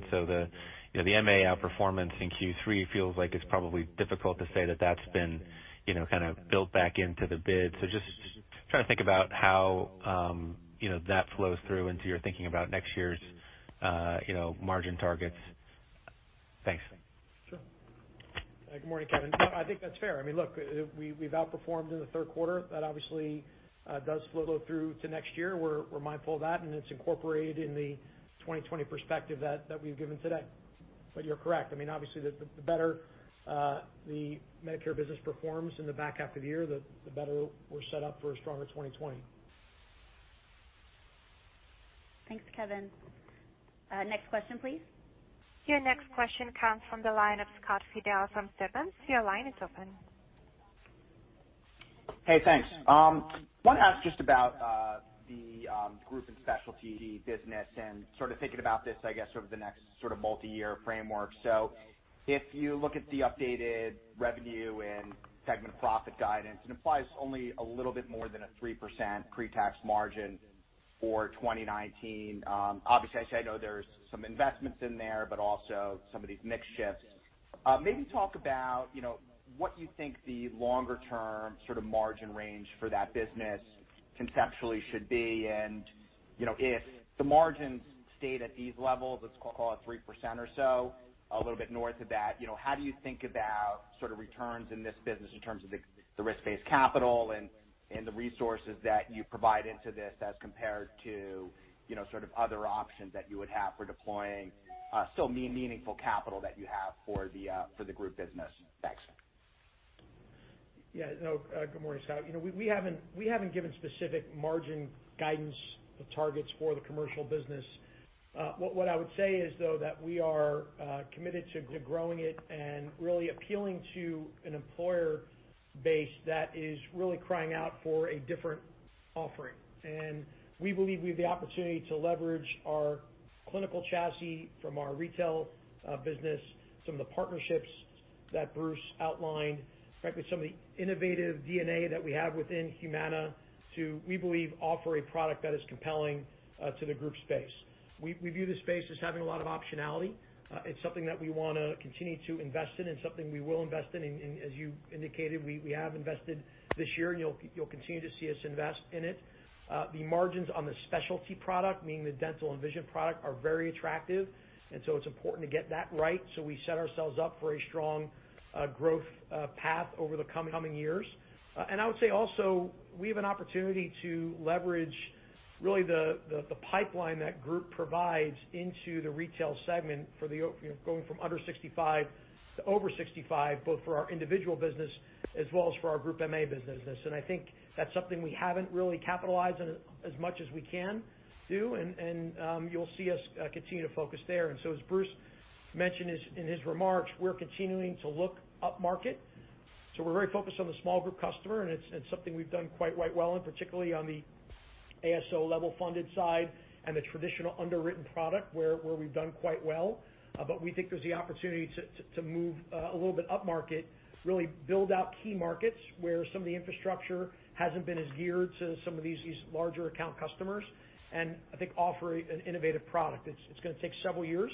the MA outperformance in Q3 feels like it's probably difficult to say that that's been kind of built back into the bid. Just trying to think about how that flows through into your thinking about next year's margin targets. Thanks. Sure. Good morning, Kevin. I think that's fair. Look, we've outperformed in the third quarter. That obviously does flow through to next year. We're mindful of that, and it's incorporated in the 2020 perspective that we've given today. You're correct. Obviously, the better the Medicare business performs in the back half of the year, the better we're set up for a stronger 2020. Thanks, Kevin. Next question, please. Your next question comes from the line of Scott Fidel from Stephens. Your line is open. Hey, thanks. Wanted to ask just about the group and specialty business and sort of thinking about this, I guess, sort of the next sort of multi-year framework. If you look at the updated revenue and segment profit guidance, it implies only a little bit more than a 3% pre-tax margin for 2019. Obviously, I know there's some investments in there, but also some of these mix shifts. Maybe talk about what you think the longer-term sort of margin range for that business conceptually should be. If the margins stayed at these levels, let's call it 3% or so, a little bit north of that, how do you think about sort of returns in this business in terms of the risk-based capital and the resources that you provide into this as compared to sort of other options that you would have for deploying still meaningful capital that you have for the group business? Thanks. Good morning, Scott. We haven't given specific margin guidance targets for the commercial business. What I would say is, though, that we are committed to growing it and really appealing to an employer base that is really crying out for a different offering. We believe we have the opportunity to leverage our clinical chassis from our retail business, some of the partnerships that Bruce outlined, frankly, some of the innovative DNA that we have within Humana to, we believe, offer a product that is compelling to the group space. We view this space as having a lot of optionality. It's something that we want to continue to invest in and something we will invest in. As you indicated, we have invested this year, and you'll continue to see us invest in it. The margins on the specialty product, meaning the dental and vision product, are very attractive, and so it's important to get that right so we set ourselves up for a strong growth path over the coming years. I would say also, we have an opportunity to leverage really the pipeline that group provides into the retail segment going from under 65 to over 65, both for our individual business as well as for our group MA business. I think that's something we haven't really capitalized on as much as we can do, and you'll see us continue to focus there. As Bruce mentioned in his remarks, we're continuing to look upmarket, so we're very focused on the small group customer, and it's something we've done quite well in, particularly on the ASO level funded side and the traditional underwritten product where we've done quite well. We think there's the opportunity to move a little bit upmarket, really build out key markets where some of the infrastructure hasn't been as geared to some of these larger account customers, and I think offering an innovative product. It's going to take several years.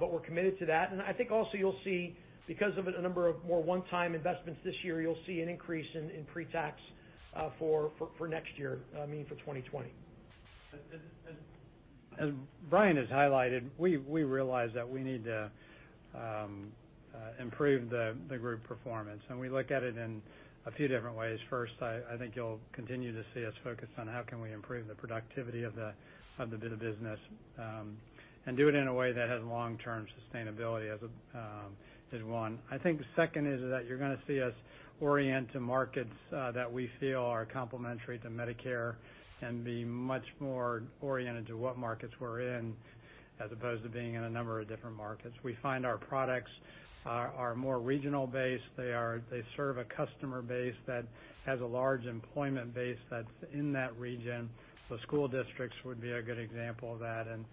We're committed to that. I think also you'll see, because of a number of more one-time investments this year, you'll see an increase in pre-tax for next year, meaning for 2020. As Brian has highlighted, we realize that we need to improve the group performance, and we look at it in a few different ways. First, I think you'll continue to see us focus on how can we improve the productivity of the business, and do it in a way that has long-term sustainability as one. I think the second is that you're going to see us orient to markets that we feel are complementary to Medicare and be much more oriented to what markets we're in, as opposed to being in a number of different markets. We find our products are more regionally based. They serve a customer base that has a large employment base that's in that region. School districts would be a good example of that and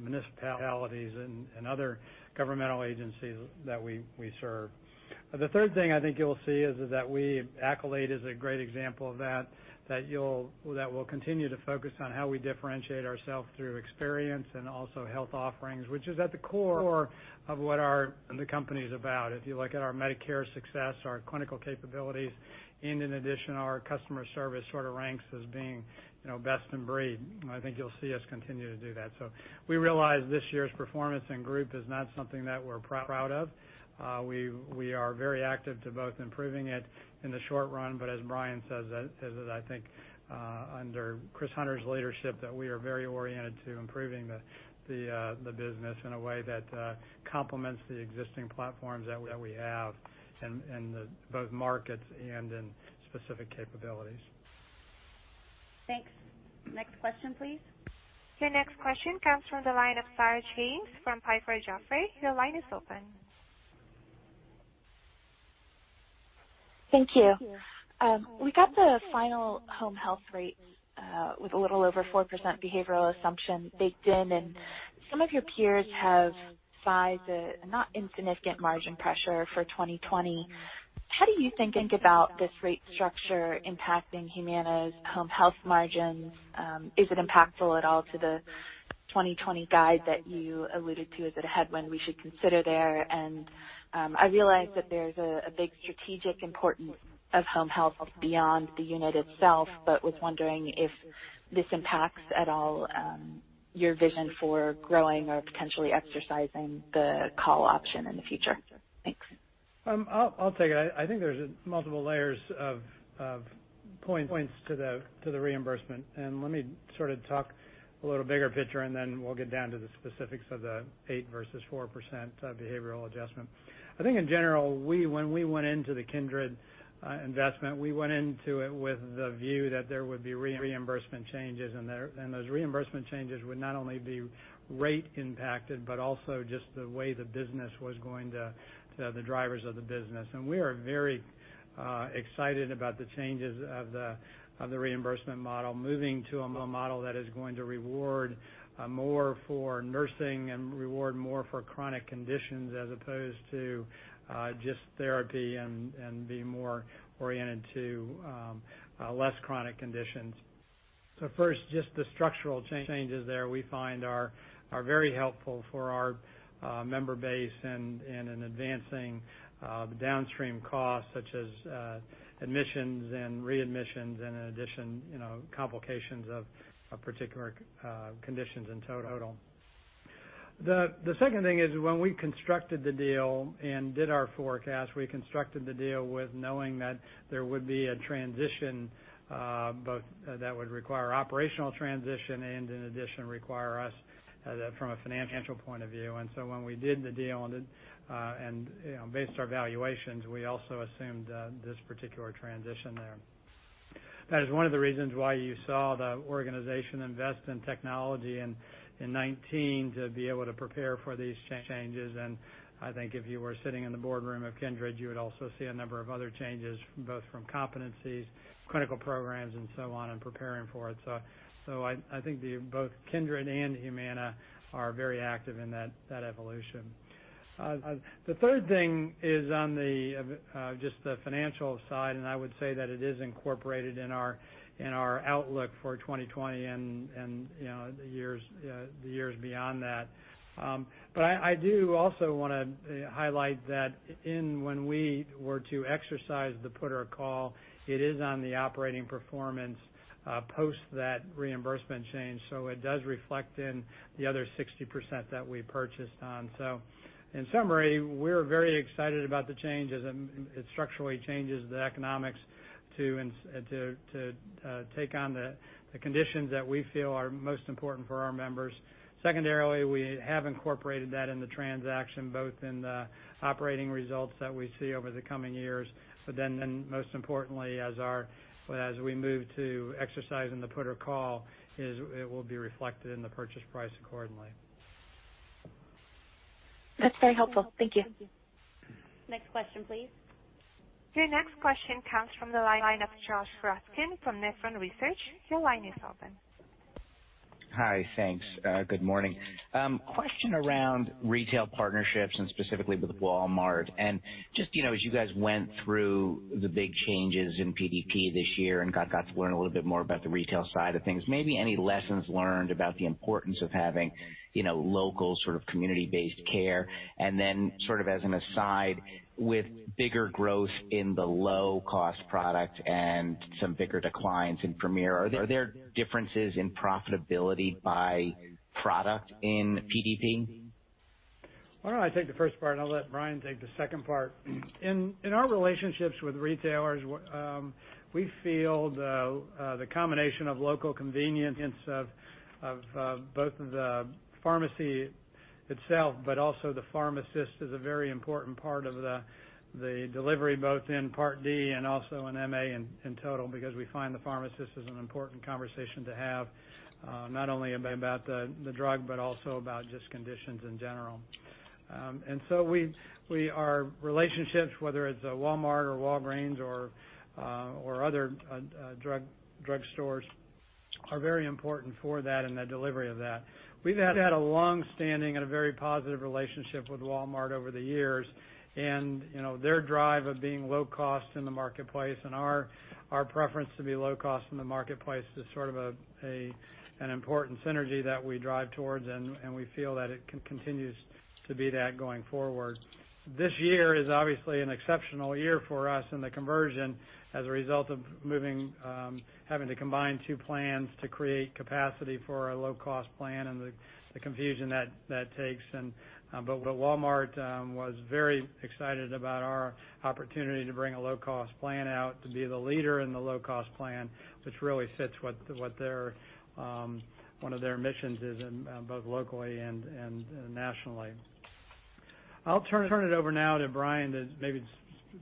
municipalities and other governmental agencies that we serve. The third thing I think you'll see is that we, Accolade is a great example of that we'll continue to focus on how we differentiate ourselves through experience and also health offerings, which is at the core of what the company's about. If you look at our Medicare success, our clinical capabilities, and in addition, our customer service sort of ranks as being best in breed. I think you'll see us continue to do that. We realize this year's performance in group is not something that we're proud of. We are very active to both improving it in the short run, but as Brian says, as I think under Chris Hunter's leadership, that we are very oriented to improving the business in a way that complements the existing platforms that we have in both markets and in specific capabilities. Thanks. Next question, please. Your next question comes from the line of Sarah James from Piper Jaffray. Your line is open. Thank you. We got the final home health rates, with a little over 4% behavioral assumption baked in, and some of your peers have sized a not insignificant margin pressure for 2020. How do you think about this rate structure impacting Humana's home health margins? Is it impactful at all to the 2020 guide that you alluded to? Is it a headwind we should consider there? I realize that there's a big strategic importance of home health beyond the unit itself, but was wondering if this impacts at all your vision for growing or potentially exercising the call option in the future. Thanks. I'll take it. I think there's multiple layers of points to the reimbursement. Let me sort of talk a little bigger picture, then we'll get down to the specifics of the 8% versus 4% behavioral adjustment. I think in general, when we went into the Kindred investment, we went into it with the view that there would be reimbursement changes, and those reimbursement changes would not only be rate impacted, but also just the way the business was going to the drivers of the business. We are very excited about the changes of the reimbursement model, moving to a model that is going to reward more for nursing and reward more for chronic conditions as opposed to just therapy and being more oriented to less chronic conditions. First, just the structural changes there we find are very helpful for our member base and in advancing the downstream costs such as admissions and readmissions and in addition, complications of particular conditions in total. The second thing is when we constructed the deal and did our forecast, we constructed the deal with knowing that there would be a transition, both that would require operational transition and in addition, require us from a financial point of view. When we did the deal and based our valuations, we also assumed this particular transition there. That is one of the reasons why you saw the organization invest in technology in 2019 to be able to prepare for these changes. I think if you were sitting in the boardroom of Kindred, you would also see a number of other changes, both from competencies, clinical programs, and so on, and preparing for it. I think both Kindred and Humana are very active in that evolution. The third thing is on just the financial side, and I would say that it is incorporated in our outlook for 2020 and the years beyond that. I do also want to highlight that when we were to exercise the put or call, it is on the operating performance, post that reimbursement change. It does reflect in the other 60% that we purchased on. In summary, we're very excited about the changes. It structurally changes the economics to take on the conditions that we feel are most important for our members. Secondarily, we have incorporated that in the transaction, both in the operating results that we see over the coming years, but then most importantly, as we move to exercising the put or call, it will be reflected in the purchase price accordingly. That's very helpful. Thank you. Next question, please. Your next question comes from the line of Joshua Raskin from Nephron Research. Your line is open. Hi. Thanks. Good morning. Question around retail partnerships, and specifically with Walmart. Just as you guys went through the big changes in PDP this year and got to learn a little bit more about the retail side of things, maybe any lessons learned about the importance of having local sort of community-based care, and then sort of as an aside, with bigger growth in the low-cost product and some bigger declines in Premier, are there differences in profitability by product in PDP? Why don't I take the first part and I'll let Brian take the second part. In our relationships with retailers, we feel the combination of local convenience of both the pharmacy itself, but also the pharmacist is a very important part of the delivery, both in Part D and also in MA in total, because we find the pharmacist is an important conversation to have, not only about the drug, but also about just conditions in general. Our relationships, whether it's Walmart or Walgreens or other drug stores, are very important for that and the delivery of that. We've had a long-standing and a very positive relationship with Walmart over the years, and their drive of being low cost in the marketplace and our preference to be low cost in the marketplace is sort of an important synergy that we drive towards, and we feel that it continues to be that going forward. This year is obviously an exceptional year for us in the conversion as a result of having to combine two plans to create capacity for our low-cost plan and the confusion that takes. Walmart was very excited about our opportunity to bring a low-cost plan out to be the leader in the low-cost plan, which really fits what one of their missions is, both locally and nationally. I'll turn it over now to Brian to maybe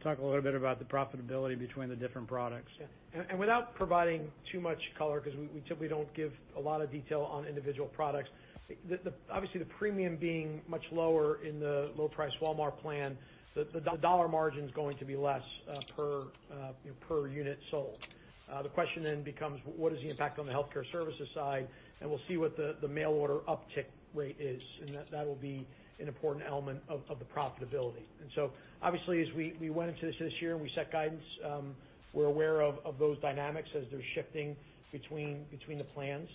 talk a little bit about the profitability between the different products. Yeah. Without providing too much color, because we typically don't give a lot of detail on individual products, obviously the premium being much lower in the low-price Walmart plan, the dollar margin's going to be less per unit sold. The question becomes, what is the impact on the healthcare services side, and we'll see what the mail order uptick rate is, and that will be an important element of the profitability. Obviously, as we went into this year and we set guidance, we're aware of those dynamics as they're shifting between the plans.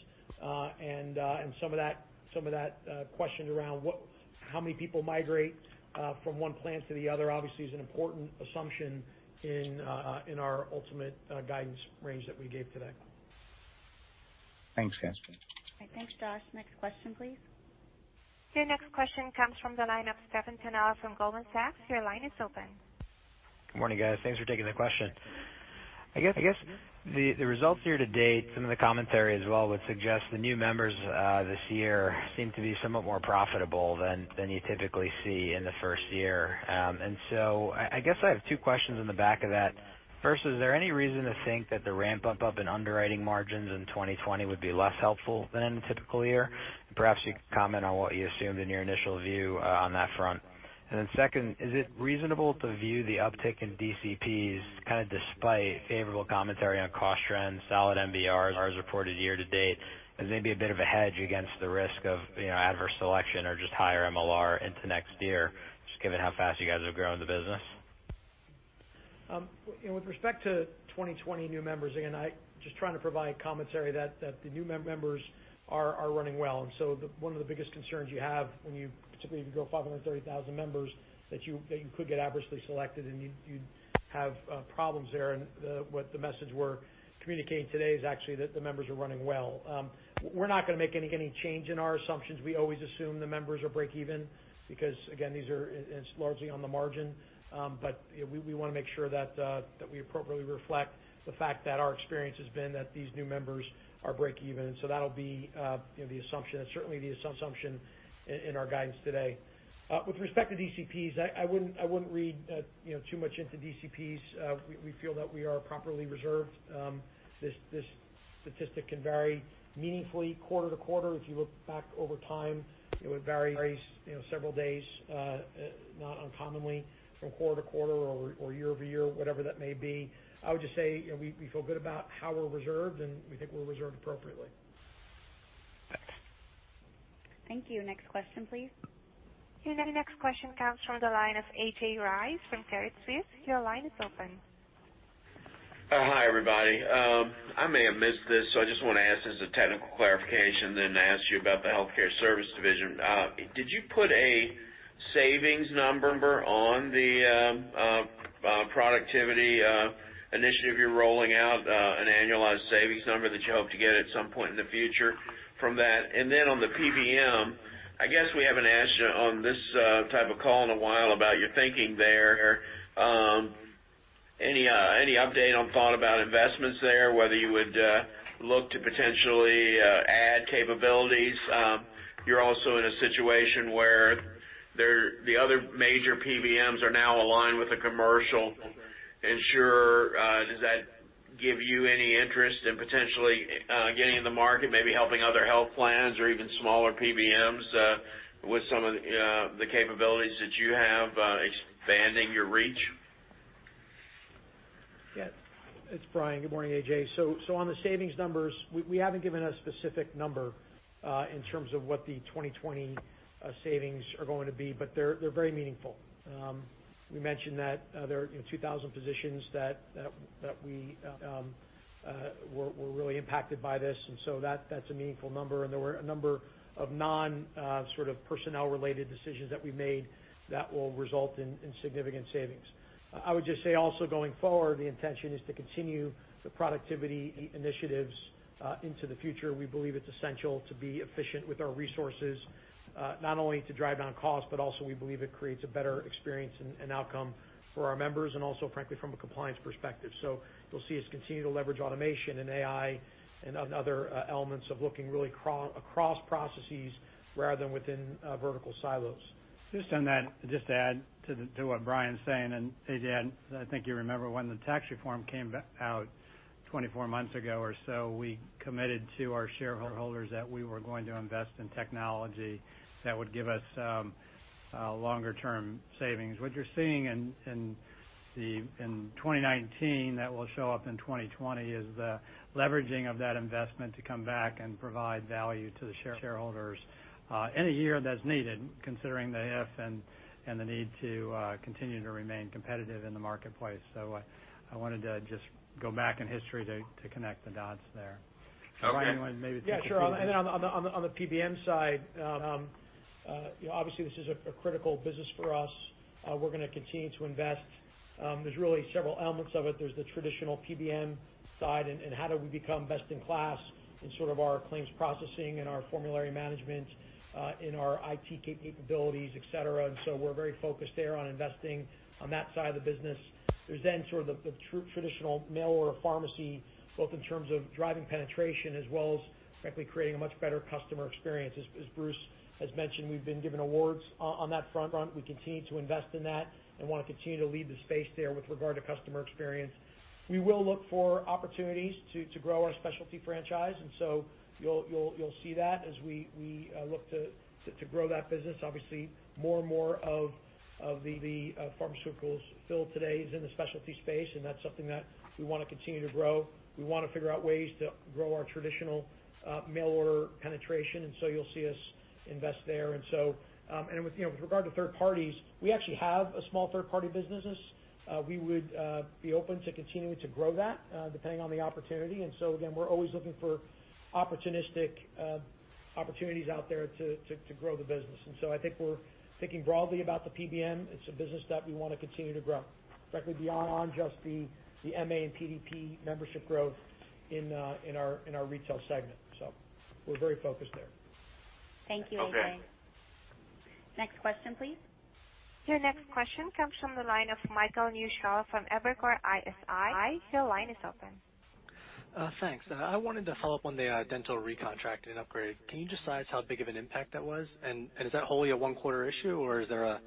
Some of that question around how many people migrate from one plan to the other obviously is an important assumption in our ultimate guidance range that we gave today. Thanks, guys. Thanks, Josh. Next question, please. Your next question comes from the line of Stephen Tanal from Goldman Sachs. Your line is open. Good morning, guys. Thanks for taking the question. I guess the results year-to-date, some of the commentary as well, would suggest the new members this year seem to be somewhat more profitable than you typically see in the first year. I guess I have two questions in the back of that. First, is there any reason to think that the ramp-up in underwriting margins in 2020 would be less helpful than in a typical year? Perhaps you could comment on what you assumed in your initial view on that front. Second, is it reasonable to view the uptick in DCPs kind of despite favorable commentary on cost trends, solid MBRs reported year-to-date, as maybe a bit of a hedge against the risk of adverse selection or just higher MLR into next year, just given how fast you guys have grown the business? With respect to 2020 new members, again, just trying to provide commentary that the new members are running well. One of the biggest concerns you have when particularly if you grow 530,000 members, that you could get adversely selected, and you'd have problems there. The message we're communicating today is actually that the members are running well. We're not going to make any change in our assumptions. We always assume the members are break even because, again, it's largely on the margin. We want to make sure that we appropriately reflect the fact that our experience has been that these new members are break even. That'll be the assumption. It's certainly the assumption in our guidance today. With respect to DCPs, I wouldn't read too much into DCPs. We feel that we are properly reserved. This statistic can vary meaningfully quarter-to-quarter. If you look back over time, it would vary several days, not uncommonly from quarter-to-quarter or year-over-year, whatever that may be. I would just say we feel good about how we're reserved, and we think we're reserved appropriately. Thanks. Thank you. Next question, please. The next question comes from the line of A.J. Rice from Credit Suisse. Your line is open. Hi, everybody. I may have missed this, so I just want to ask just a technical clarification, then ask you about the healthcare service division. Did you put a savings number on the productivity initiative you're rolling out, an annualized savings number that you hope to get at some point in the future from that? On the PBM, I guess we haven't asked you on this type of call in a while about your thinking there. Any update on thought about investments there, whether you would look to potentially add capabilities? You're also in a situation where the other major PBMs are now aligned with a commercial insurer. Does that Give you any interest in potentially getting in the market, maybe helping other health plans or even smaller PBMs with some of the capabilities that you have, expanding your reach? Yeah. It's Brian. Good morning, AJ. On the savings numbers, we haven't given a specific number in terms of what the 2020 savings are going to be, but they're very meaningful. We mentioned that there are 2,000 positions that were really impacted by this, that's a meaningful number, there were a number of non-personnel related decisions that we made that will result in significant savings. I would just say also going forward, the intention is to continue the productivity initiatives into the future. We believe it's essential to be efficient with our resources, not only to drive down cost, but also we believe it creates a better experience and outcome for our members, and also, frankly, from a compliance perspective. You'll see us continue to leverage automation and AI and other elements of looking really across processes rather than within vertical silos. Just to add to what Brian's saying, and A.J., I think you remember when the tax reform came out 24 months ago or so, we committed to our shareholders that we were going to invest in technology that would give us longer-term savings. What you're seeing in 2019 that will show up in 2020 is the leveraging of that investment to come back and provide value to the shareholders any year that's needed, considering the if and the need to continue to remain competitive in the marketplace. I wanted to just go back in history to connect the dots there. Okay. Brian, you want maybe to continue? Yeah, sure. On the PBM side, obviously, this is a critical business for us. We're going to continue to invest. There's really several elements of it. There's the traditional PBM side and how do we become best in class in our claims processing, in our formulary management, in our IT capabilities, et cetera. We're very focused there on investing on that side of the business. There's sort of the traditional mail order pharmacy, both in terms of driving penetration as well as frankly creating a much better customer experience. As Bruce has mentioned, we've been given awards on that front. We continue to invest in that and want to continue to lead the space there with regard to customer experience. We will look for opportunities to grow our specialty franchise. You'll see that as we look to grow that business. Obviously, more and more of the pharmaceuticals filled today is in the specialty space, and that's something that we want to continue to grow. We want to figure out ways to grow our traditional mail order penetration. You'll see us invest there. With regard to third parties, we actually have a small third party businesses. We would be open to continuing to grow that, depending on the opportunity. Again, we're always looking for opportunistic opportunities out there to grow the business. I think we're thinking broadly about the PBM. It's a business that we want to continue to grow, frankly, beyond just the MA and PDP membership growth in our retail segment. We're very focused there. Thank you, A.J. Okay. Next question, please. Your next question comes from the line of Michael Newshel from Evercore ISI. Your line is open. Thanks. I wanted to follow up on the dental recontract and upgrade. Can you just size how big of an impact that was? Is that wholly a one quarter issue, or is there a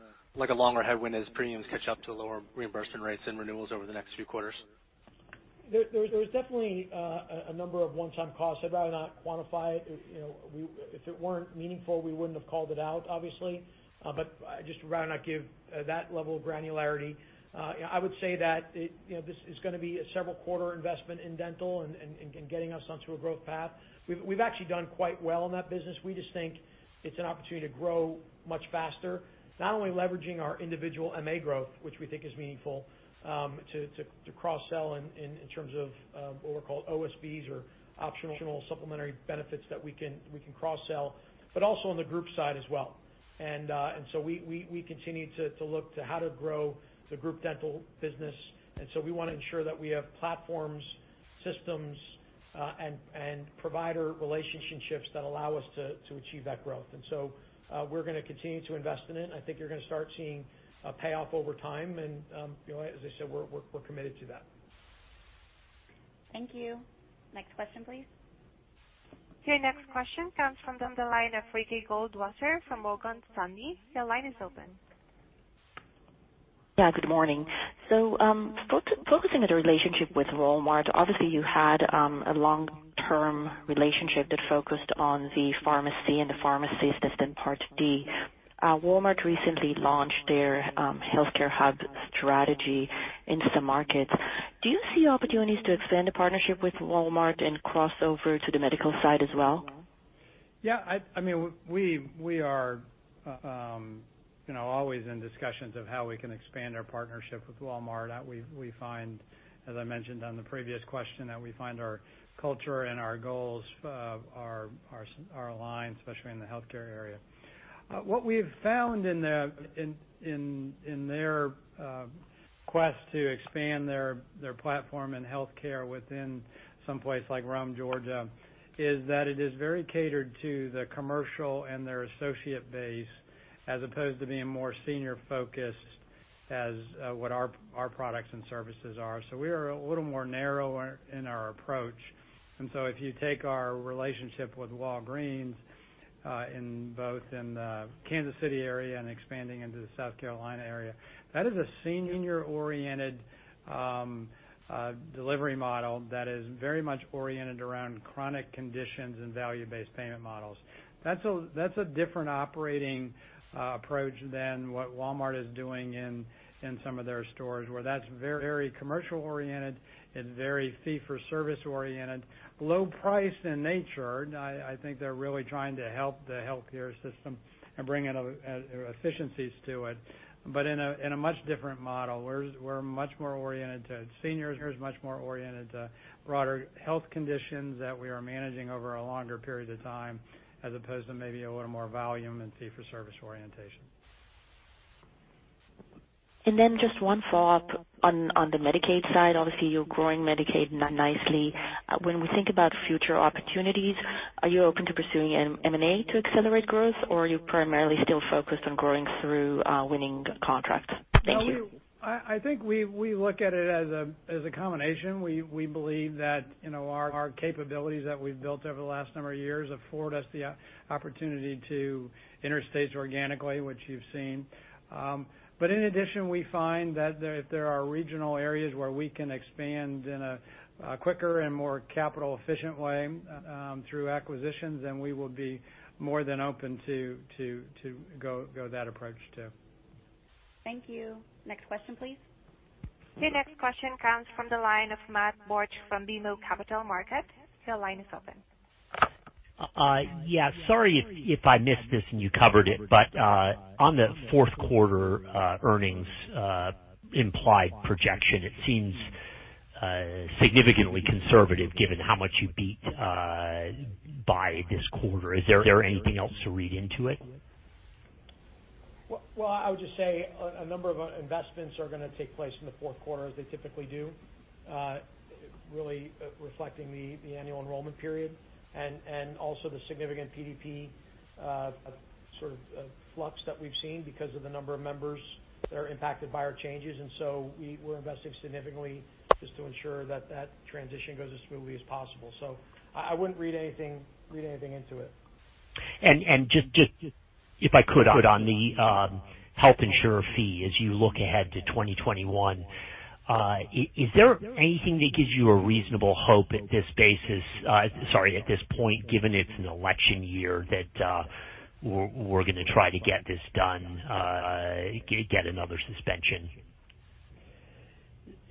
longer headwind as premiums catch up to lower reimbursement rates and renewals over the next few quarters? There was definitely a number of one-time costs. I'd rather not quantify it. If it weren't meaningful, we wouldn't have called it out, obviously. I'd just rather not give that level of granularity. I would say that this is going to be a several-quarter investment in dental and getting us onto a growth path. We've actually done quite well in that business. We just think it's an opportunity to grow much faster, not only leveraging our individual MA growth, which we think is meaningful, to cross-sell in terms of what were called OSBs or Optional Supplemental Benefits that we can cross-sell, but also on the group side as well. We continue to look to how to grow the group dental business, we want to ensure that we have platforms, systems, and provider relationships that allow us to achieve that growth. We're going to continue to invest in it, and I think you're going to start seeing a payoff over time, and as I said, we're committed to that. Thank you. Next question, please. Your next question comes from the line of Ricky Goldwasser from Morgan Stanley. Your line is open. Yeah. Good morning. Focusing on the relationship with Walmart, obviously, you had a long-term relationship that focused on the pharmacy and the pharmacy assistant Part D. Walmart recently launched their healthcare hub strategy into the markets. Do you see opportunities to expand the partnership with Walmart and cross over to the medical side as well? Yeah. We are always in discussions of how we can expand our partnership with Walmart. As I mentioned on the previous question, that we find our culture and our goals are aligned, especially in the healthcare area. What we've found in their quest to expand their platform and healthcare within some place like Rome, Georgia, is that it is very catered to the commercial and their associate base, as opposed to being more senior-focused, as what our products and services are. We are a little more narrow in our approach. If you take our relationship with Walgreens, both in the Kansas City area and expanding into the South Carolina area, that is a senior oriented delivery model that is very much oriented around chronic conditions and value-based payment models. That's a different operating approach than what Walmart is doing in some of their stores, where that's very commercial oriented and very fee for service oriented, low price in nature. I think they're really trying to help the healthcare system and bring efficiencies to it, but in a much different model. We're much more oriented to seniors, much more oriented to broader health conditions that we are managing over a longer period of time, as opposed to maybe a little more volume and fee for service orientation. Just one follow-up on the Medicaid side. Obviously, you're growing Medicaid nicely. When we think about future opportunities, are you open to pursuing M&A to accelerate growth, or are you primarily still focused on growing through winning contracts? Thank you. I think we look at it as a combination. We believe that our capabilities that we've built over the last number of years afford us the opportunity to enter states organically, which you've seen. In addition, we find that if there are regional areas where we can expand in a quicker and more capital efficient way through acquisitions, we will be more than open to go that approach too. Thank you. Next question, please. Your next question comes from the line of Matt Borsch from BMO Capital Markets. Your line is open. Yeah, sorry if I missed this and you covered it, but on the fourth quarter earnings implied projection, it seems significantly conservative given how much you beat by this quarter. Is there anything else to read into it? Well, I would just say a number of investments are going to take place in the fourth quarter, as they typically do, really reflecting the annual enrollment period and also the significant PDP sort of flux that we've seen because of the number of members that are impacted by our changes. We're investing significantly just to ensure that that transition goes as smoothly as possible. I wouldn't read anything into it. Just, if I could, on the Health Insurance Industry Fee, as you look ahead to 2021, is there anything that gives you a reasonable hope at this point, given it's an election year, that we're going to try to get this done, get another suspension?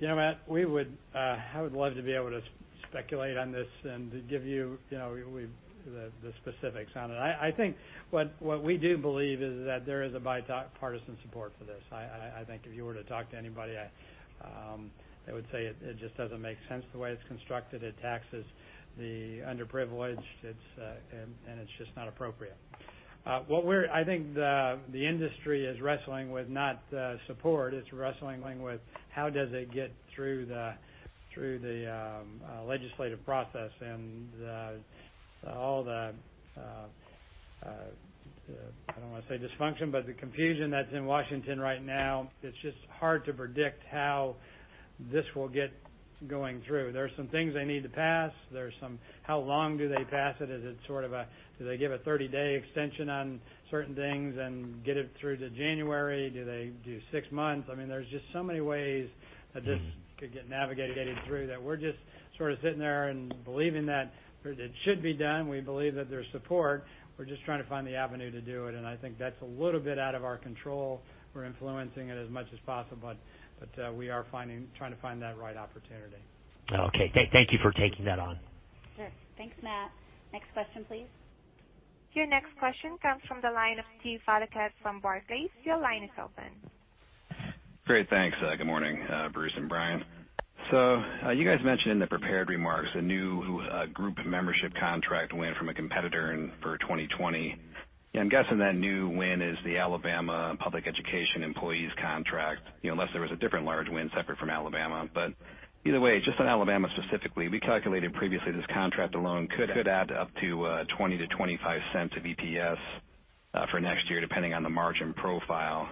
You know Matt, I would love to be able to speculate on this and give you the specifics on it. I think what we do believe is that there is a bipartisan support for this. I think if you were to talk to anybody, they would say it just doesn't make sense the way it's constructed. It taxes the underprivileged, and it's just not appropriate. I think the industry is wrestling with not support. It's wrestling with how does it get through the legislative process and all the, I don't want to say dysfunction, but the confusion that's in Washington right now. It's just hard to predict how this will get going through. There are some things they need to pass. There's some how long do they pass it? Do they give a 30-day extension on certain things and get it through to January? Do they do six months? There's just so many ways that this could get navigated through that we're just sort of sitting there and believing that it should be done. We believe that there's support. We're just trying to find the avenue to do it. I think that's a little bit out of our control. We're influencing it as much as possible. We are trying to find that right opportunity. Okay. Thank you for taking that on. Sure. Thanks, Matt. Next question, please. Your next question comes from the line of Steve Valiquette from Barclays. Your line is open. Great. Thanks. Good morning, Bruce and Brian. You guys mentioned in the prepared remarks a new group membership contract win from a competitor for 2020. I'm guessing that new win is the Alabama Public Education Employees contract, unless there was a different large win separate from Alabama. Either way, just on Alabama specifically, we calculated previously this contract alone could add up to $0.20-$0.25 of EPS for next year, depending on the margin profile.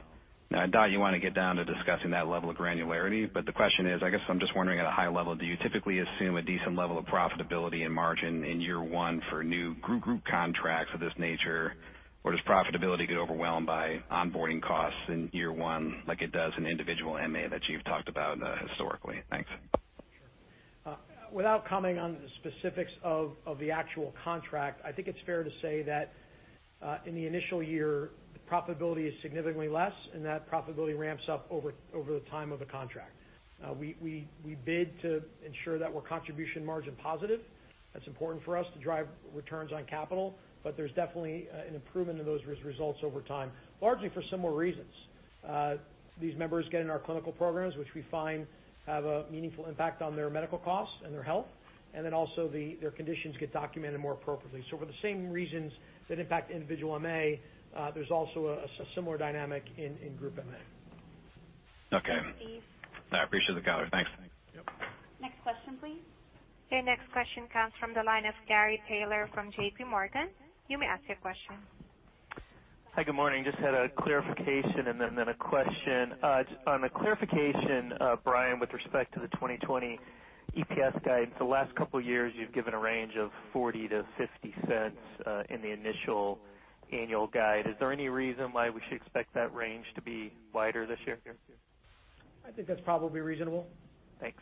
I doubt you want to get down to discussing that level of granularity, but the question is, I guess I'm just wondering at a high level, do you typically assume a decent level of profitability and margin in year one for new group contracts of this nature? Or does profitability get overwhelmed by onboarding costs in year one like it does in individual MA that you've talked about historically? Thanks. Without commenting on the specifics of the actual contract, I think it's fair to say that in the initial year, profitability is significantly less, and that profitability ramps up over the time of the contract. We bid to ensure that we're contribution margin positive. That's important for us to drive returns on capital. There's definitely an improvement in those results over time, largely for similar reasons. These members get in our clinical programs, which we find have a meaningful impact on their medical costs and their health. Also their conditions get documented more appropriately. For the same reasons that impact individual MA, there's also a similar dynamic in group MA. Okay. Steve. I appreciate the color. Thanks. Next question please. Your next question comes from the line of Gary Taylor from JPMorgan. You may ask your question. Hi, good morning. Just had a clarification and then a question. On the clarification, Brian, with respect to the 2020 EPS guidance, the last couple of years you've given a range of $0.40-$0.50 in the initial annual guide. Is there any reason why we should expect that range to be wider this year? I think that's probably reasonable. Thanks.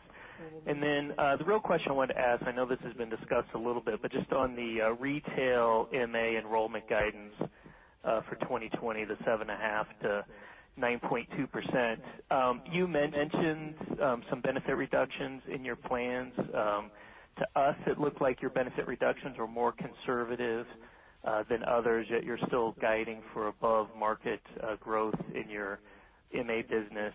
Then, the real question I wanted to ask, I know this has been discussed a little bit, but just on the retail MA enrollment guidance for 2020, the 7.5%-9.2%. You mentioned some benefit reductions in your plans. To us, it looked like your benefit reductions were more conservative than others, yet you're still guiding for above-market growth in your MA business.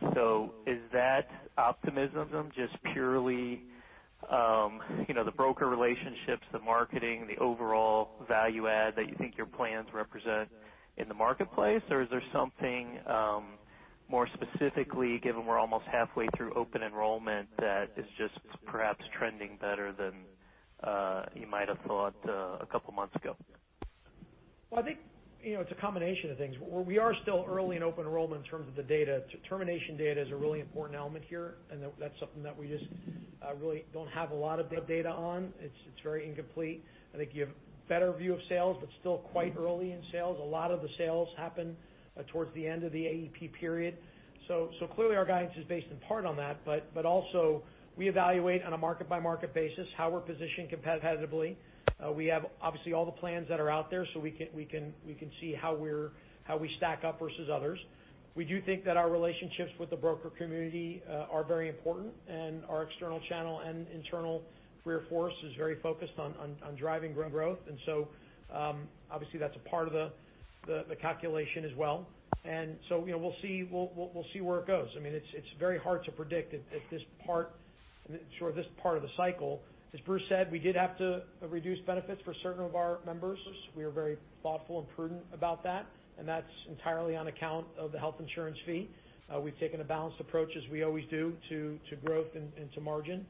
Is that optimism just purely the broker relationships, the marketing, the overall value add that you think your plans represent in the marketplace? Or is there something more specifically, given we're almost halfway through open enrollment, that is just perhaps trending better than you might have thought a couple of months ago? Well, I think it's a combination of things. We are still early in open enrollment in terms of the data. Termination data is a really important element here, and that's something that we just really don't have a lot of good data on. It's very incomplete. I think you have a better view of sales, but still quite early in sales. A lot of the sales happen towards the end of the AEP period. Clearly our guidance is based in part on that, but also we evaluate on a market-by-market basis how we're positioned competitively. We have, obviously, all the plans that are out there, so we can see how we stack up versus others. We do think that our relationships with the broker community are very important, and our external channel and internal career force is very focused on driving growth. Obviously, that's a part of the calculation as well. We'll see where it goes. It's very hard to predict at this part of the cycle. As Bruce said, we did have to reduce benefits for certain of our members. We are very thoughtful and prudent about that, and that's entirely on account of the Health Insurance Industry Fee. We've taken a balanced approach, as we always do, to growth and to margin.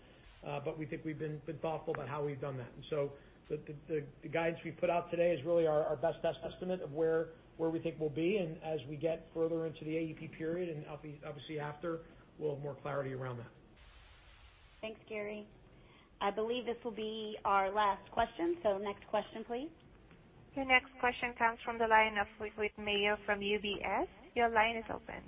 We think we've been thoughtful about how we've done that. The guidance we put out today is really our best estimate of where we think we'll be. As we get further into the AEP period, and obviously after, we'll have more clarity around that. Thanks, Gary. I believe this will be our last question. Next question, please. Your next question comes from the line of Whit Mayo from UBS. Your line is open.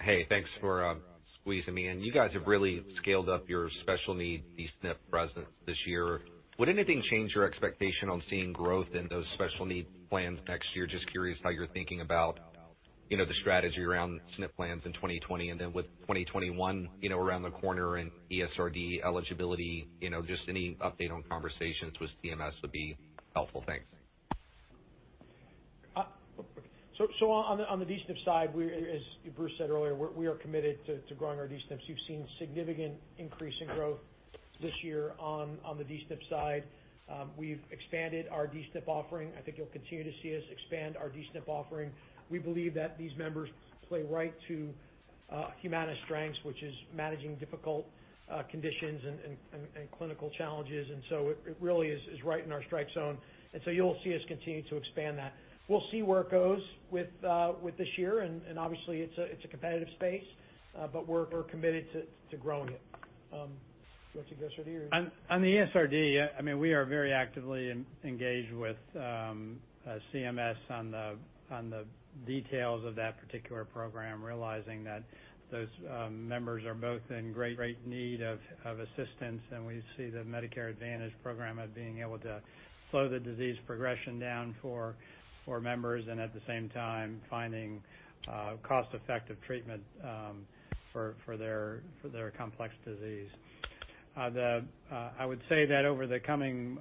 Hey, thanks for squeezing me in. You guys have really scaled up your special needs D-SNP presence this year. Would anything change your expectation on seeing growth in those Special Needs Plans next year? Just curious how you're thinking about the strategy around SNP plans in 2020. With 2021 around the corner and ESRD eligibility, just any update on conversations with CMS would be helpful. Thanks. On the D-SNP side, as Bruce said earlier, we are committed to growing our D-SNPs. You've seen significant increase in growth this year on the D-SNP side. We've expanded our D-SNP offering. I think you'll continue to see us expand our D-SNP offering. We believe that these members play right to Humana's strengths, which is managing difficult conditions and clinical challenges, and so it really is right in our strike zone. You'll see us continue to expand that. We'll see where it goes with this year, and obviously it's a competitive space, but we're committed to growing it. Do you want to do ESRD or? On the ESRD, we are very actively engaged with CMS on the details of that particular program, realizing that those members are both in great need of assistance, and we see the Medicare Advantage program as being able to slow the disease progression down for members, and at the same time finding cost-effective treatment for their complex disease. I would say that over the coming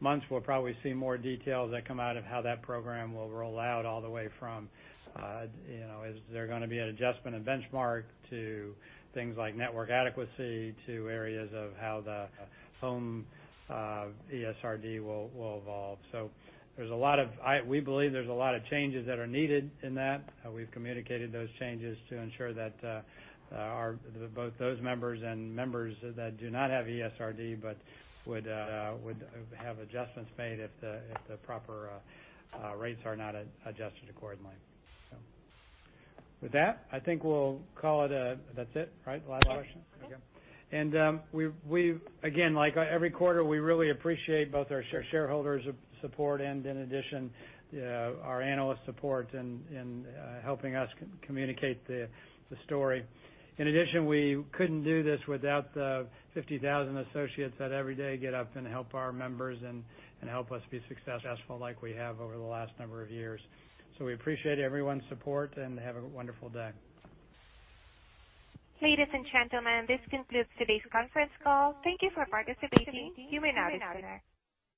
months, we'll probably see more details that come out of how that program will roll out all the way from, is there going to be an adjustment in benchmark to things like network adequacy to areas of how the home ESRD will evolve. We believe there's a lot of changes that are needed in that. We've communicated those changes to ensure that both those members and members that do not have ESRD but would have adjustments made if the proper rates are not adjusted accordingly. With that, I think that's it, right? Last question? Again, like every quarter, we really appreciate both our shareholders' support and in addition, our analyst support in helping us communicate the story. In addition, we couldn't do this without the 50,000 associates that every day get up and help our members and help us be successful like we have over the last number of years. We appreciate everyone's support and have a wonderful day. Ladies and gentlemen, this concludes today's conference call. Thank you for participating. You may now disconnect.